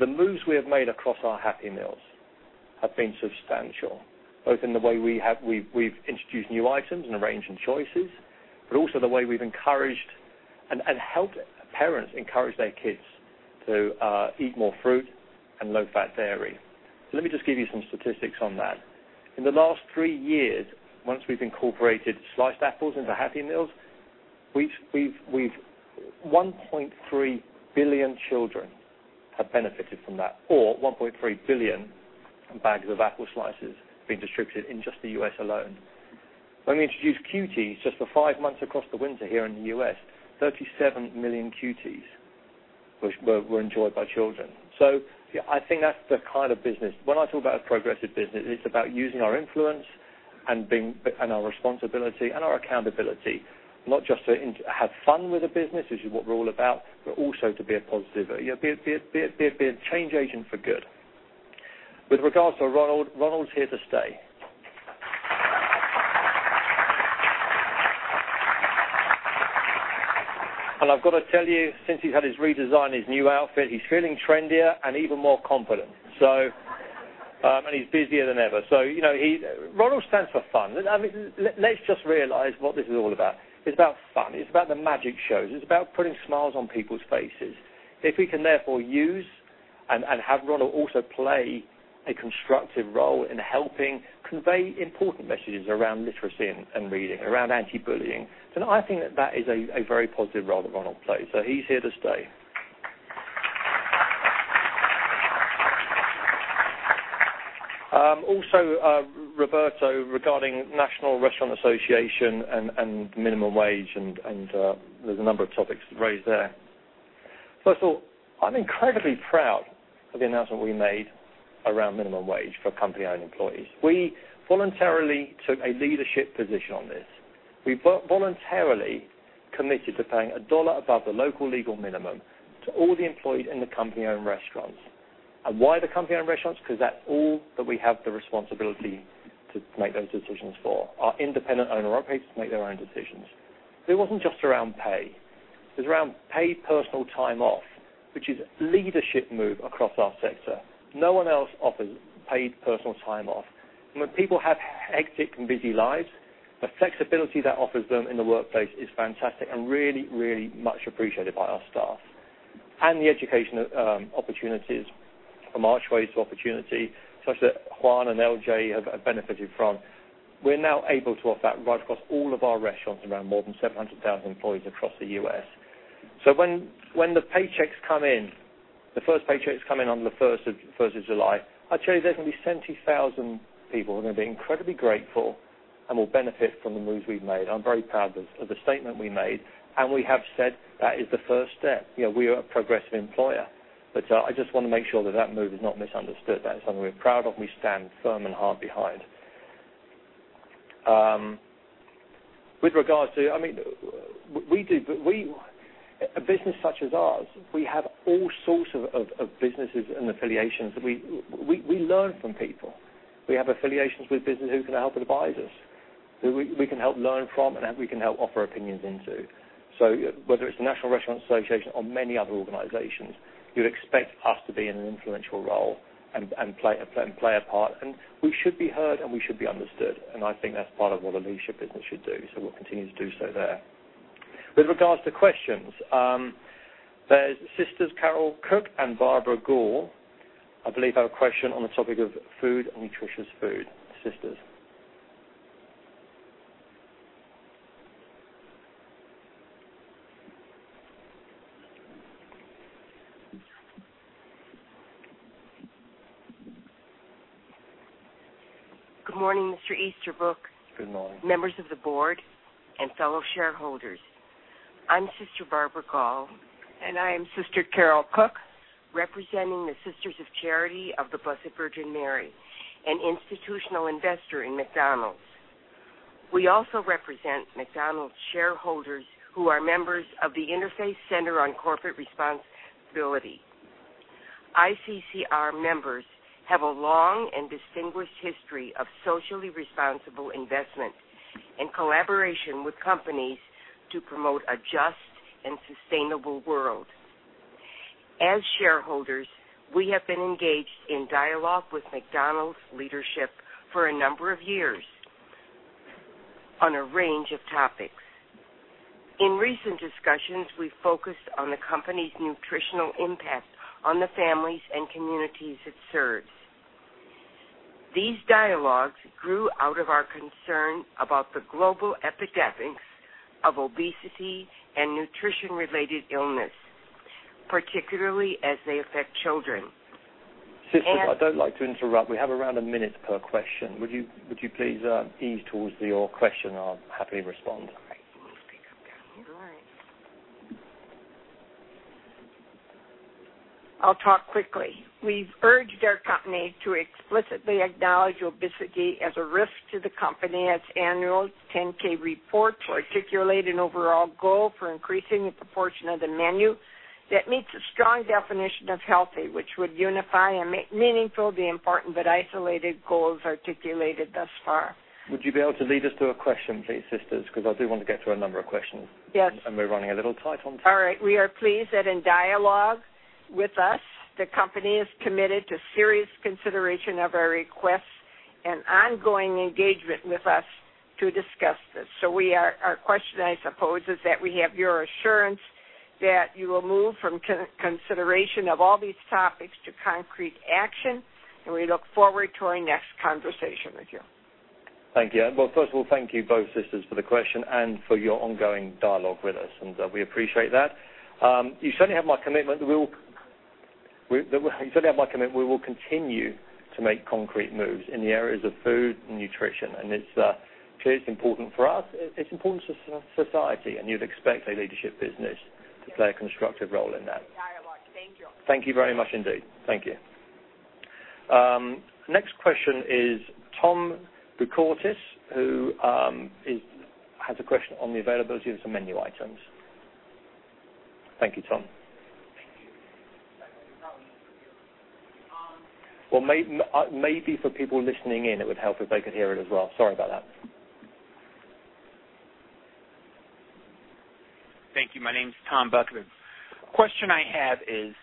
Speaker 11: the moves we have made across our Happy Meals have been substantial, both in the way we've introduced new items and a range in choices, but also the way we've encouraged and helped parents encourage their kids to eat more fruit and low-fat dairy. Let me just give you some statistics on that. In the last three years, once we've incorporated sliced apples into Happy Meals, 1.3 billion children have benefited from that, or 1.3 billion bags of apple slices being distributed in just the U.S. alone. When we introduced Cuties just for five months across the winter here in the U.S., 37 million Cuties were enjoyed by children. I think that's the kind of business. When I talk about a progressive business, it's about using our influence and our responsibility and our accountability, not just to have fun with the business, which is what we're all about, but also to be a positive, be a change agent for good. With regards to Ronald's here to stay. And I've got to tell you, since he's had his redesign, his new outfit, he's feeling trendier and even more confident. Ronald stands for fun. Let's just realize what this is all about. It's about fun. It's about the magic shows. It's about putting smiles on people's faces. If we can therefore use and have Ronald also play a constructive role in helping convey important messages around literacy and reading, around anti-bullying. I think that that is a very positive role that Ronald plays. He's here to stay. Also, Roberto, regarding National Restaurant Association and minimum wage, and there's a number of topics raised there. First of all, I'm incredibly proud of the announcement we made around minimum wage for company-owned employees. We voluntarily took a leadership position on this. We voluntarily committed to paying $1 above the local legal minimum to all the employees in the company-owned restaurants. And why the company-owned restaurants? Because that's all that we have the responsibility to make those decisions for. Our independent owner-operators make their own decisions. It wasn't just around pay. It was around paid personal time off, which is a leadership move across our sector. No one else offers paid personal time off. And when people have hectic and busy lives, the flexibility that offers them in the workplace is fantastic and really, really much appreciated by our staff. And the education opportunities from Archways to Opportunity, such that Juan and LJ have benefited from, we're now able to offer that right across all of our restaurants around more than 700,000 employees across the U.S. When the paychecks come in, the first paychecks come in on the first of July. I tell you, there's going to be 70,000 people who are going to be incredibly grateful and will benefit from the moves we've made. I'm very proud of the statement we made, and we have said that is the first step. We are a progressive employer. I just want to make sure that move is not misunderstood. That is something we're proud of, and we stand firm and hard behind. A business such as ours, we have all sorts of businesses and affiliations. We learn from people. We have affiliations with business who can help advise us, who we can help learn from, and we can help offer opinions into. Whether it's the National Restaurant Association or many other organizations, you'd expect us to be in an influential role and play a part. We should be heard, and we should be understood. I think that's part of what a leadership business should do, so we'll continue to do so there. With regards to questions, there's Sisters Carol Cook and Barbara Gall, I believe, have a question on the topic of food and nutritious food. Sisters.
Speaker 10: Good morning, Mr. Easterbrook.
Speaker 11: Good morning.
Speaker 10: Members of the board and fellow shareholders. I'm Sister Barbara Gall. I am Sister Carol Cook. Representing the Sisters of Charity of the Blessed Virgin Mary, an institutional investor in McDonald's. We also represent McDonald's shareholders who are members of the Interfaith Center on Corporate Responsibility. ICCR members have a long and distinguished history of socially responsible investment in collaboration with companies to promote a just and sustainable world. As shareholders, we have been engaged in dialogue with McDonald's leadership for a number of years on a range of topics. In recent discussions, we focused on the company's nutritional impact on the families and communities it serves. These dialogues grew out of our concern about the global epidemics of obesity and nutrition-related illness, particularly as they affect children.
Speaker 11: Sisters, I don't like to interrupt. We have around a minute per question. Would you please ease towards your question? I'll happily respond.
Speaker 10: All right. Let me speak up, Carol. All right. I'll talk quickly. We've urged our company to explicitly acknowledge obesity as a risk to the company in its annual 10-K report, to articulate an overall goal for increasing the proportion of the menu that meets a strong definition of healthy, which would unify and make meaningful the important but isolated goals articulated thus far.
Speaker 11: Would you be able to lead us to a question, please, Sisters? I do want to get to a number of questions.
Speaker 10: Yes.
Speaker 11: We're running a little tight on time.
Speaker 10: All right. We are pleased that in dialogue with us, the company is committed to serious consideration of our requests and ongoing engagement with us to discuss this. Our question, I suppose, is that we have your assurance that you will move from consideration of all these topics to concrete action, and we look forward to our next conversation with you.
Speaker 11: Well, first of all, thank you both, Sisters, for the question and for your ongoing dialogue with us. We appreciate that. You certainly have my commitment. We will continue to make concrete moves in the areas of food and nutrition. It's clearly important for us. It's important to society, and you'd expect a leadership business to play a constructive role in that.
Speaker 10: Dialogue. Thank you.
Speaker 11: Thank you very much indeed. Thank you. Next question is Tom Buckhortis, who has a question on the availability of some menu items. Thank you, Tom.
Speaker 10: Thank you.
Speaker 11: Well, maybe for people listening in, it would help if they could hear it as well. Sorry about that.
Speaker 10: Thank you. My name's Tom Buckhortis. Question I have is,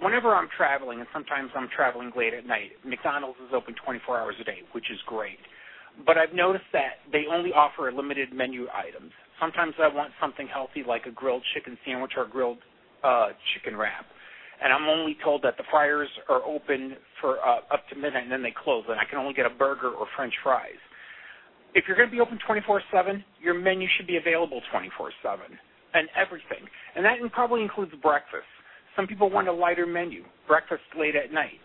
Speaker 10: whenever I'm traveling, and sometimes I'm traveling late at night, McDonald's is open 24 hours a day, which is great. I've noticed that they only offer limited menu items. Sometimes I want something healthy like a grilled chicken sandwich or a grilled chicken wrap, and I'm only told that the fryers are open up to midnight, and then they close, and I can only get a burger or French fries. If you're going to be open 24/7, your menu should be available 24/7, and everything. That probably includes breakfast. Some people want a lighter menu, breakfast late at night.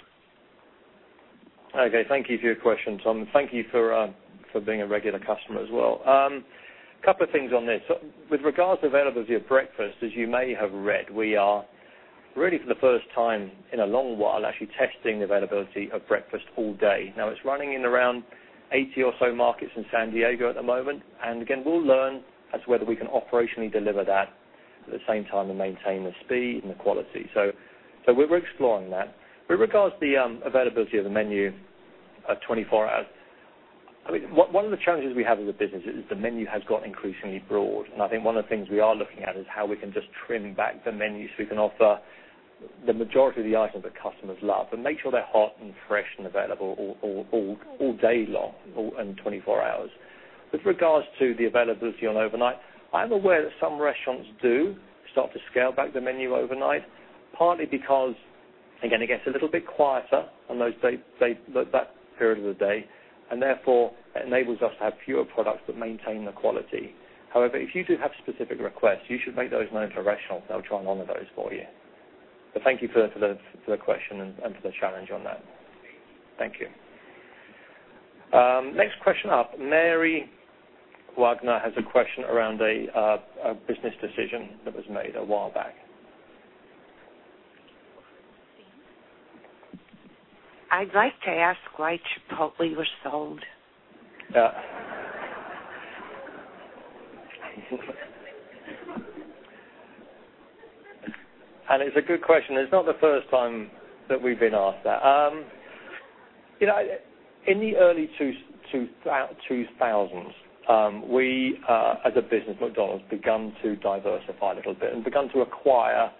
Speaker 11: Okay. Thank you for your question, Tom. Thank you for being a regular customer as well. Couple things on this. With regards to availability of breakfast, as you may have read, we are really for the first time in a long while, actually testing the availability of breakfast all day. It's running in around 80 or so markets in San Diego at the moment. Again, we'll learn as to whether we can operationally deliver that at the same time and maintain the speed and the quality. We're exploring that. With regards to the availability of the menu 24 hours, one of the challenges we have as a business is the menu has got increasingly broad, and I think one of the things we are looking at is how we can just trim back the menu so we can offer the majority of the items that customers love and make sure they're hot and fresh and available all day long and 24 hours. With regards to the availability on overnight, I'm aware that some restaurants do start to scale back the menu overnight, partly because it gets a little bit quieter on that period of the day, and therefore it enables us to have fewer products that maintain the quality. However, if you do have specific requests, you should make those known to restaurant. They'll try and honor those for you. Thank you for the question and for the challenge on that. Thank you. Next question up, Mary Wagner has a question around a business decision that was made a while back.
Speaker 15: I'd like to ask why Chipotle was sold.
Speaker 11: It's a good question. It's not the first time that we've been asked that. In the early 2000s, we, as a business, McDonald's, begun to diversify a little bit and begun to acquire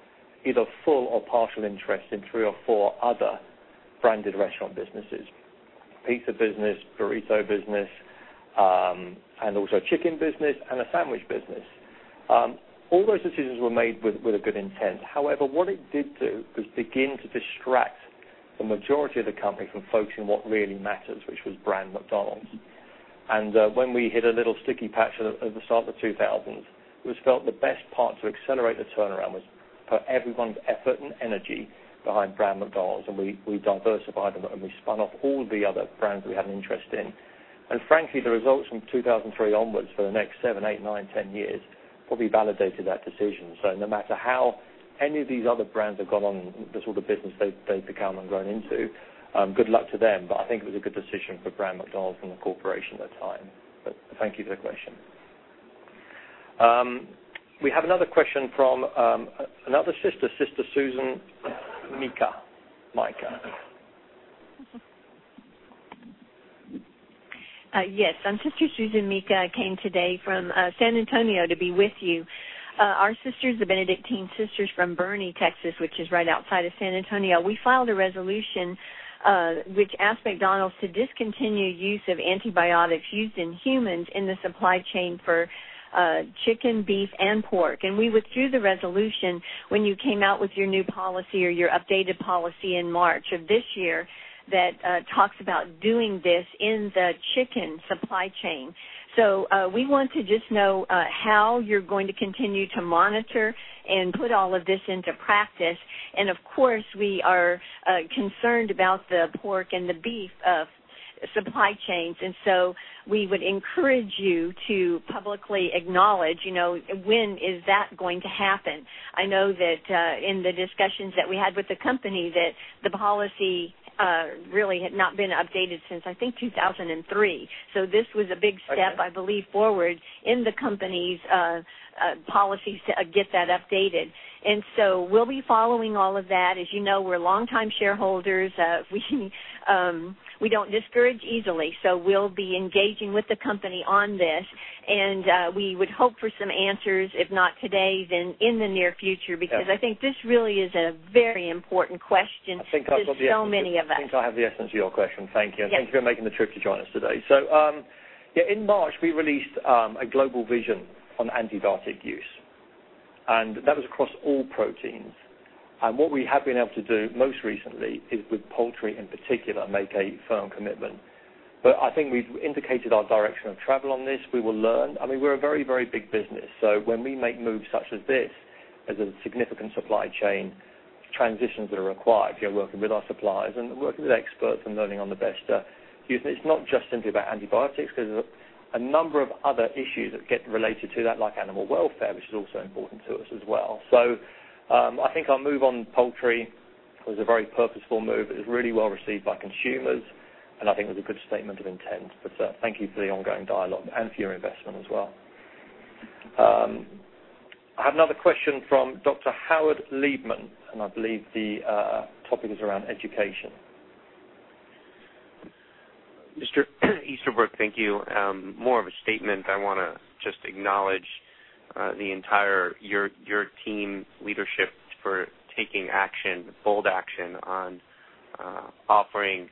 Speaker 11: either full or partial interest in three or four other branded restaurant businesses, pizza business, burrito business, and also a chicken business and a sandwich business. All those decisions were made with a good intent. However, what it did do was begin to distract the majority of the company from focusing on what really matters, which was Brand McDonald's. When we hit a little sticky patch at the start of the 2000s, it was felt the best part to accelerate the turnaround was put everyone's effort and energy behind Brand McDonald's, and we diversified them, and we spun off all the other brands we had an interest in. Frankly, the results from 2003 onwards for the next seven, eight, nine, 10 years probably validated that decision. No matter how any of these other brands have gone on, the sort of business they've become and grown into, good luck to them, but I think it was a good decision for Brand McDonald's and the corporation at the time. Thank you for the question. We have another question from another sister, Sister Susan Mika.
Speaker 16: Yes. I'm Sister Susan Mika. I came today from San Antonio to be with you. Our sisters, the Benedictine Sisters of Boerne, Texas, which is right outside of San Antonio, we filed a resolution, which asked McDonald's to discontinue use of antibiotics used in humans in the supply chain for chicken, beef, and pork. We withdrew the resolution when you came out with your new policy or your updated policy in March of this year that talks about doing this in the chicken supply chain. We want to just know how you're going to continue to monitor and put all of this into practice. Of course, we are concerned about the pork and the beef supply chains. We would encourage you to publicly acknowledge, when is that going to happen. I know that, in the discussions that we had with the company, that the policy really had not been updated since, I think, 2003. This was a big step, I believe, forward in the company's policies to get that updated. We'll be following all of that. As you know, we're longtime shareholders. We don't discourage easily. We'll be engaging with the company on this, and we would hope for some answers, if not today, then in the near future.
Speaker 11: Yeah
Speaker 16: I think this really is a very important question to so many of us.
Speaker 11: I think I have the essence of your question. Thank you.
Speaker 16: Yes.
Speaker 11: Thank you for making the trip to join us today. In March, we released a global vision on antibiotic use, and that was across all proteins. What we have been able to do most recently is with poultry in particular, make a firm commitment. I think we've indicated our direction of travel on this. We will learn. We're a very, very big business. When we make moves such as this, there's a significant supply chain transitions that are required if you're working with our suppliers and working with experts and learning on the best use. It's not just simply about antibiotics because a number of other issues that get related to that, like animal welfare, which is also important to us as well. I think our move on poultry was a very purposeful move. It was really well received by consumers. I think it was a good statement of intent. Thank you for the ongoing dialogue and for your investment as well. I have another question from Dr. Howard Liebman. I believe the topic is around education.
Speaker 10: Mr. Easterbrook, thank you. More of a statement. I want to just acknowledge your team leadership for taking action, bold action on offering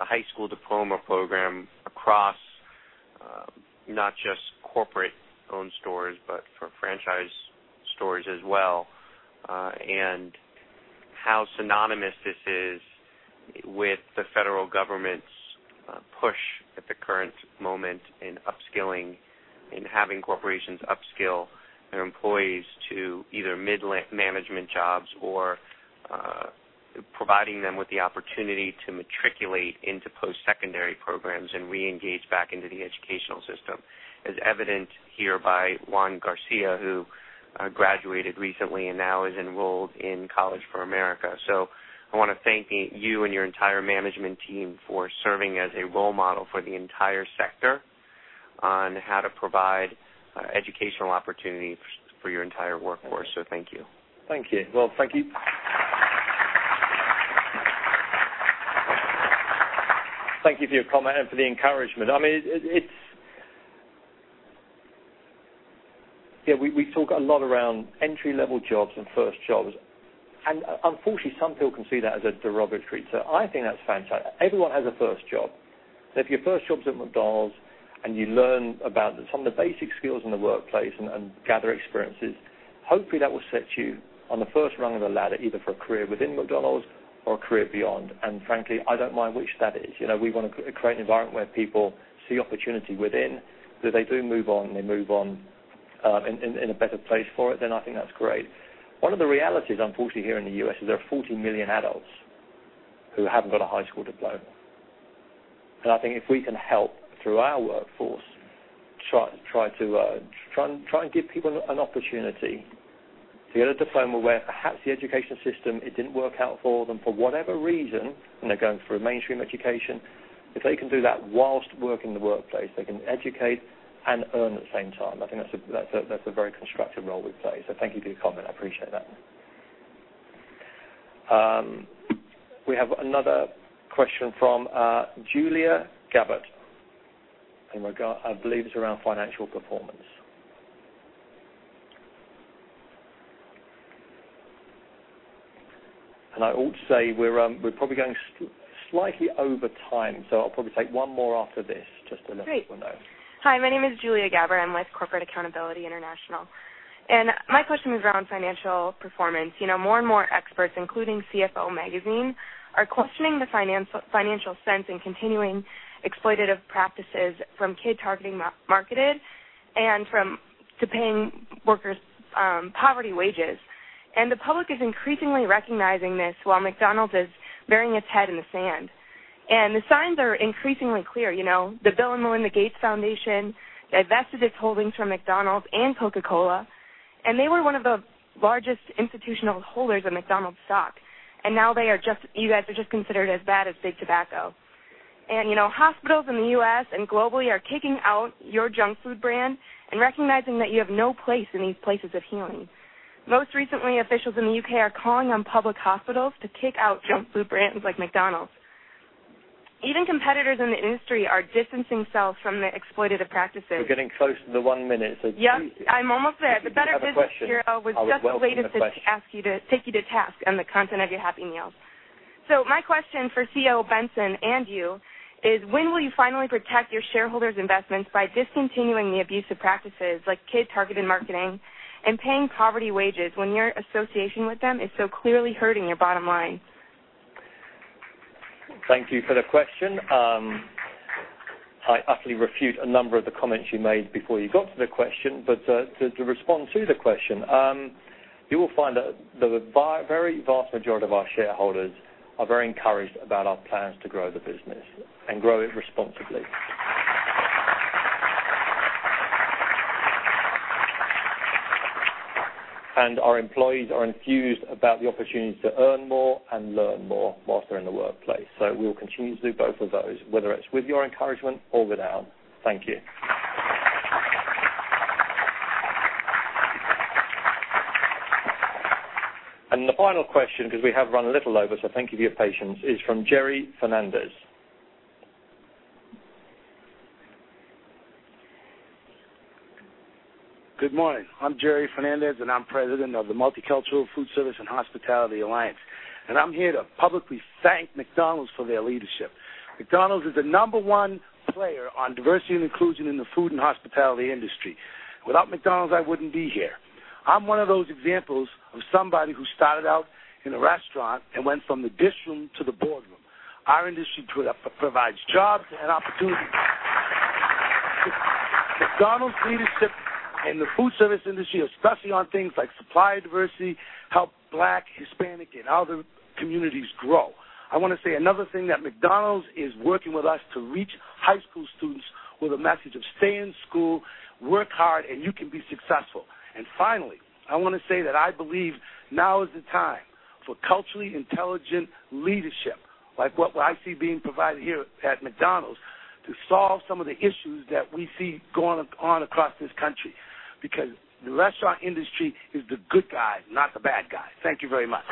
Speaker 10: a high school diploma program across not just corporate-owned stores, for franchise stores as well, and how synonymous this is with the federal government's push at the current moment in upskilling and having corporations upskill their employees to either mid-management jobs or providing them with the opportunity to matriculate into post-secondary programs and re-engage back into the educational system, as evident here by Juan Garcia, who graduated recently and now is enrolled in College for America. I want to thank you and your entire management team for serving as a role model for the entire sector on how to provide educational opportunities for your entire workforce. Thank you.
Speaker 11: Thank you. Thank you for your comment and for the encouragement. We talk a lot around entry-level jobs and first jobs, unfortunately, some people can see that as derogatory. I think that's fantastic. Everyone has a first job. If your first job's at McDonald's and you learn about some of the basic skills in the workplace and gather experiences, hopefully that will set you on the first rung of the ladder, either for a career within McDonald's or a career beyond. Frankly, I don't mind which that is. We want to create an environment where people see opportunity within. If they do move on, and they move on in a better place for it, then I think that's great. One of the realities, unfortunately, here in the U.S. is there are 40 million adults who haven't got a high school diploma. I think if we can help, through our workforce, try and give people an opportunity to get a diploma where perhaps the education system, it didn't work out for them for whatever reason, and they're going through a mainstream education, if they can do that whilst working in the workplace, they can educate and earn at the same time, I think that's a very constructive role we play. Thank you for your comment. I appreciate that. We have another question from Julia Gabbert, I believe it's around financial performance. I ought say, we're probably going slightly over time, I'll probably take one more after this, just to let you all know.
Speaker 17: Great. Hi, my name is Julia Gabbert. I'm with Corporate Accountability International, my question is around financial performance. More and more experts, including CFO Magazine, are questioning the financial sense in continuing exploitative practices from kid targeting marketing and from paying workers poverty wages. The public is increasingly recognizing this while McDonald's is burying its head in the sand. The signs are increasingly clear. The Bill & Melinda Gates Foundation divested its holdings from McDonald's and Coca-Cola, they were one of the largest institutional holders of McDonald's stock. Now you guys are just considered as bad as Big Tobacco. Hospitals in the U.S. and globally are kicking out your junk food brand and recognizing that you have no place in these places of healing. Most recently, officials in the U.K. are calling on public hospitals to kick out junk food brands like McDonald's. Even competitors in the industry are distancing themselves from the exploitative practices.
Speaker 11: We're getting close to the one minute, please.
Speaker 17: Yep, I'm almost there
Speaker 11: If you do have a question, I would welcome the question.
Speaker 17: The Better Business Bureau was just the latest to take you to task on the content of your Happy Meal. My question for CEO Easterbrook and you is when will you finally protect your shareholders' investments by discontinuing the abusive practices like kid-targeted marketing and paying poverty wages when your association with them is so clearly hurting your bottom line?
Speaker 11: Thank you for the question. I utterly refute a number of the comments you made before you got to the question. To respond to the question, you will find that the very vast majority of our shareholders are very encouraged about our plans to grow the business and grow it responsibly. Our employees are enthused about the opportunity to earn more and learn more whilst they're in the workplace. We will continue to do both of those, whether it's with your encouragement or without. Thank you. The final question, because we have run a little over, so thank you for your patience, is from Jerry Fernandez.
Speaker 18: Good morning. I'm Jerry Fernandez, and I'm president of the Multicultural Foodservice & Hospitality Alliance, and I'm here to publicly thank McDonald's for their leadership. McDonald's is the number one player on diversity and inclusion in the food and hospitality industry. Without McDonald's, I wouldn't be here. I'm one of those examples of somebody who started out in a restaurant and went from the dish room to the boardroom. Our industry provides jobs and opportunities. McDonald's leadership in the food service industry, especially on things like supplier diversity, help Black, Hispanic, and other communities grow. I want to say another thing, that McDonald's is working with us to reach high school students with a message of stay in school, work hard, and you can be successful. Finally, I want to say that I believe now is the time for culturally intelligent leadership, like what I see being provided here at McDonald's, to solve some of the issues that we see going on across this country. Because the restaurant industry is the good guy, not the bad guy. Thank you very much.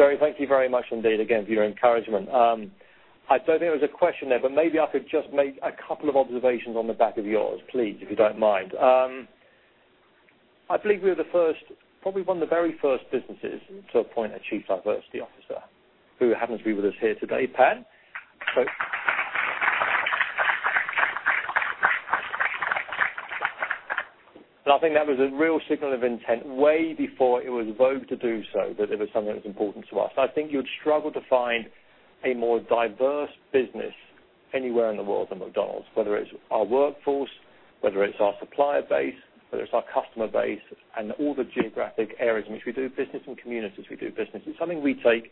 Speaker 11: Jerry, thank you very much indeed again for your encouragement. I don't think there was a question there, but maybe I could just make a couple of observations on the back of yours, please, if you don't mind. I believe we were probably one of the very first businesses to appoint a Chief Diversity Officer, who happens to be with us here today, Pat. I think that was a real signal of intent way before it was vogue to do so, but it was something that was important to us. I think you'd struggle to find a more diverse business anywhere in the world than McDonald's, whether it's our workforce, whether it's our supplier base, whether it's our customer base, and all the geographic areas in which we do business and communities we do business. It's something we take,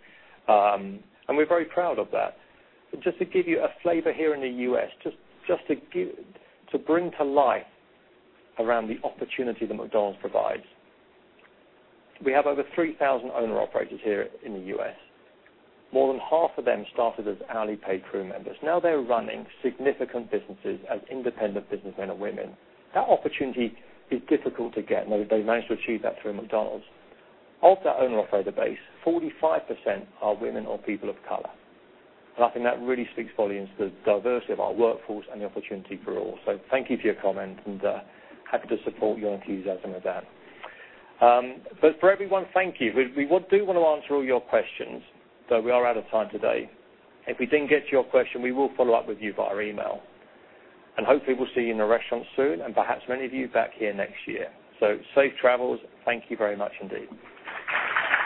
Speaker 11: and we're very proud of that. Just to give you a flavor here in the U.S., just to bring to life around the opportunity that McDonald's provides. We have over 3,000 owner-operators here in the U.S. More than half of them started as hourly paid crew members. Now they're running significant businesses as independent businessmen and women. That opportunity is difficult to get, and they managed to achieve that through McDonald's. Of that owner-operator base, 45% are women or people of color. I think that really speaks volumes to the diversity of our workforce and the opportunity for all. Thank you for your comment, and happy to support your enthusiasm with that. For everyone, thank you. We do want to answer all your questions, though we are out of time today. If we didn't get to your question, we will follow up with you via email, and hopefully we'll see you in a restaurant soon and perhaps many of you back here next year. Safe travels. Thank you very much indeed.